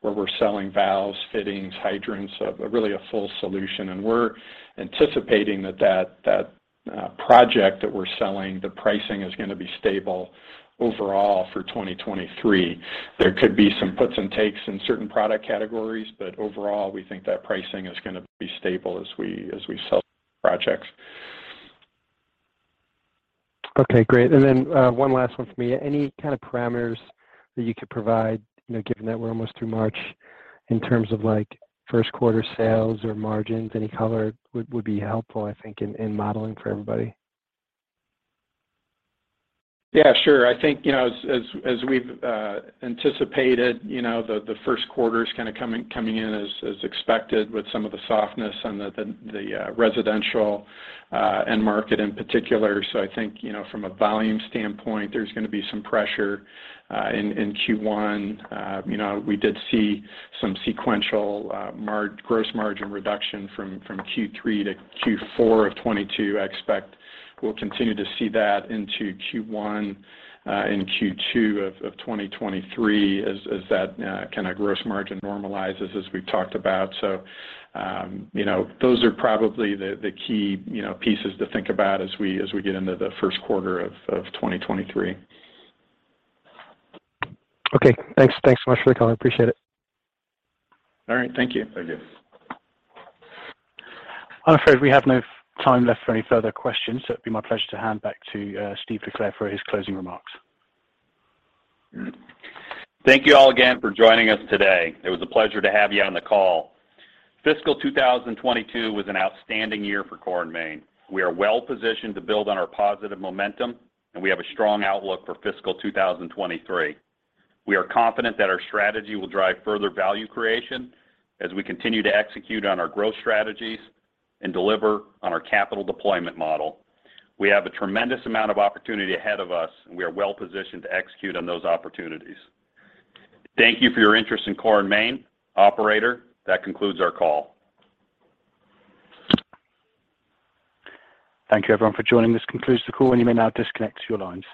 where we're selling valves, fittings, hydrants, really a full solution. We're anticipating that project that we're selling, the pricing is gonna be stable overall for 2023. There could be some puts and takes in certain product categories, but overall we think that pricing is gonna be stable as we sell projects. Okay, great. One last one for me. Any kind of parameters that you could provide, you know, given that we're almost through March in terms of like first quarter sales or margins? Any color would be helpful, I think, in modeling for everybody. Yeah, sure. I think, you know, as we've anticipated, you know, the first quarter's kind of coming in as expected with some of the softness on the residential end market in particular. I think, you know, from a volume standpoint, there's gonna be some pressure in Q1. You know, we did see some sequential gross margin reduction from Q3 to Q4 of 2022. I expect we'll continue to see that into Q1 and Q2 of 2023 as that kind of gross margin normalizes as we've talked about. You know, those are probably the key, you know, pieces to think about as we get into the first quarter of 2023. Okay, thanks. Thanks so much for the call. I appreciate it. All right. Thank you. Thank you. I'm afraid we have no time left for any further questions, so it'd be my pleasure to hand back to Steve LeClair for his closing remarks. Thank you all again for joining us today. It was a pleasure to have you on the call. Fiscal 2022 was an outstanding year for Core & Main. We are well-positioned to build on our positive momentum, and we have a strong outlook for Fiscal 2023. We are confident that our strategy will drive further value creation as we continue to execute on our growth strategies and deliver on our capital deployment model. We have a tremendous amount of opportunity ahead of us, and we are well-positioned to execute on those opportunities. Thank you for your interest in Core & Main. Operator, that concludes our call. Thank you everyone for joining. This concludes the call, and you may now disconnect your lines.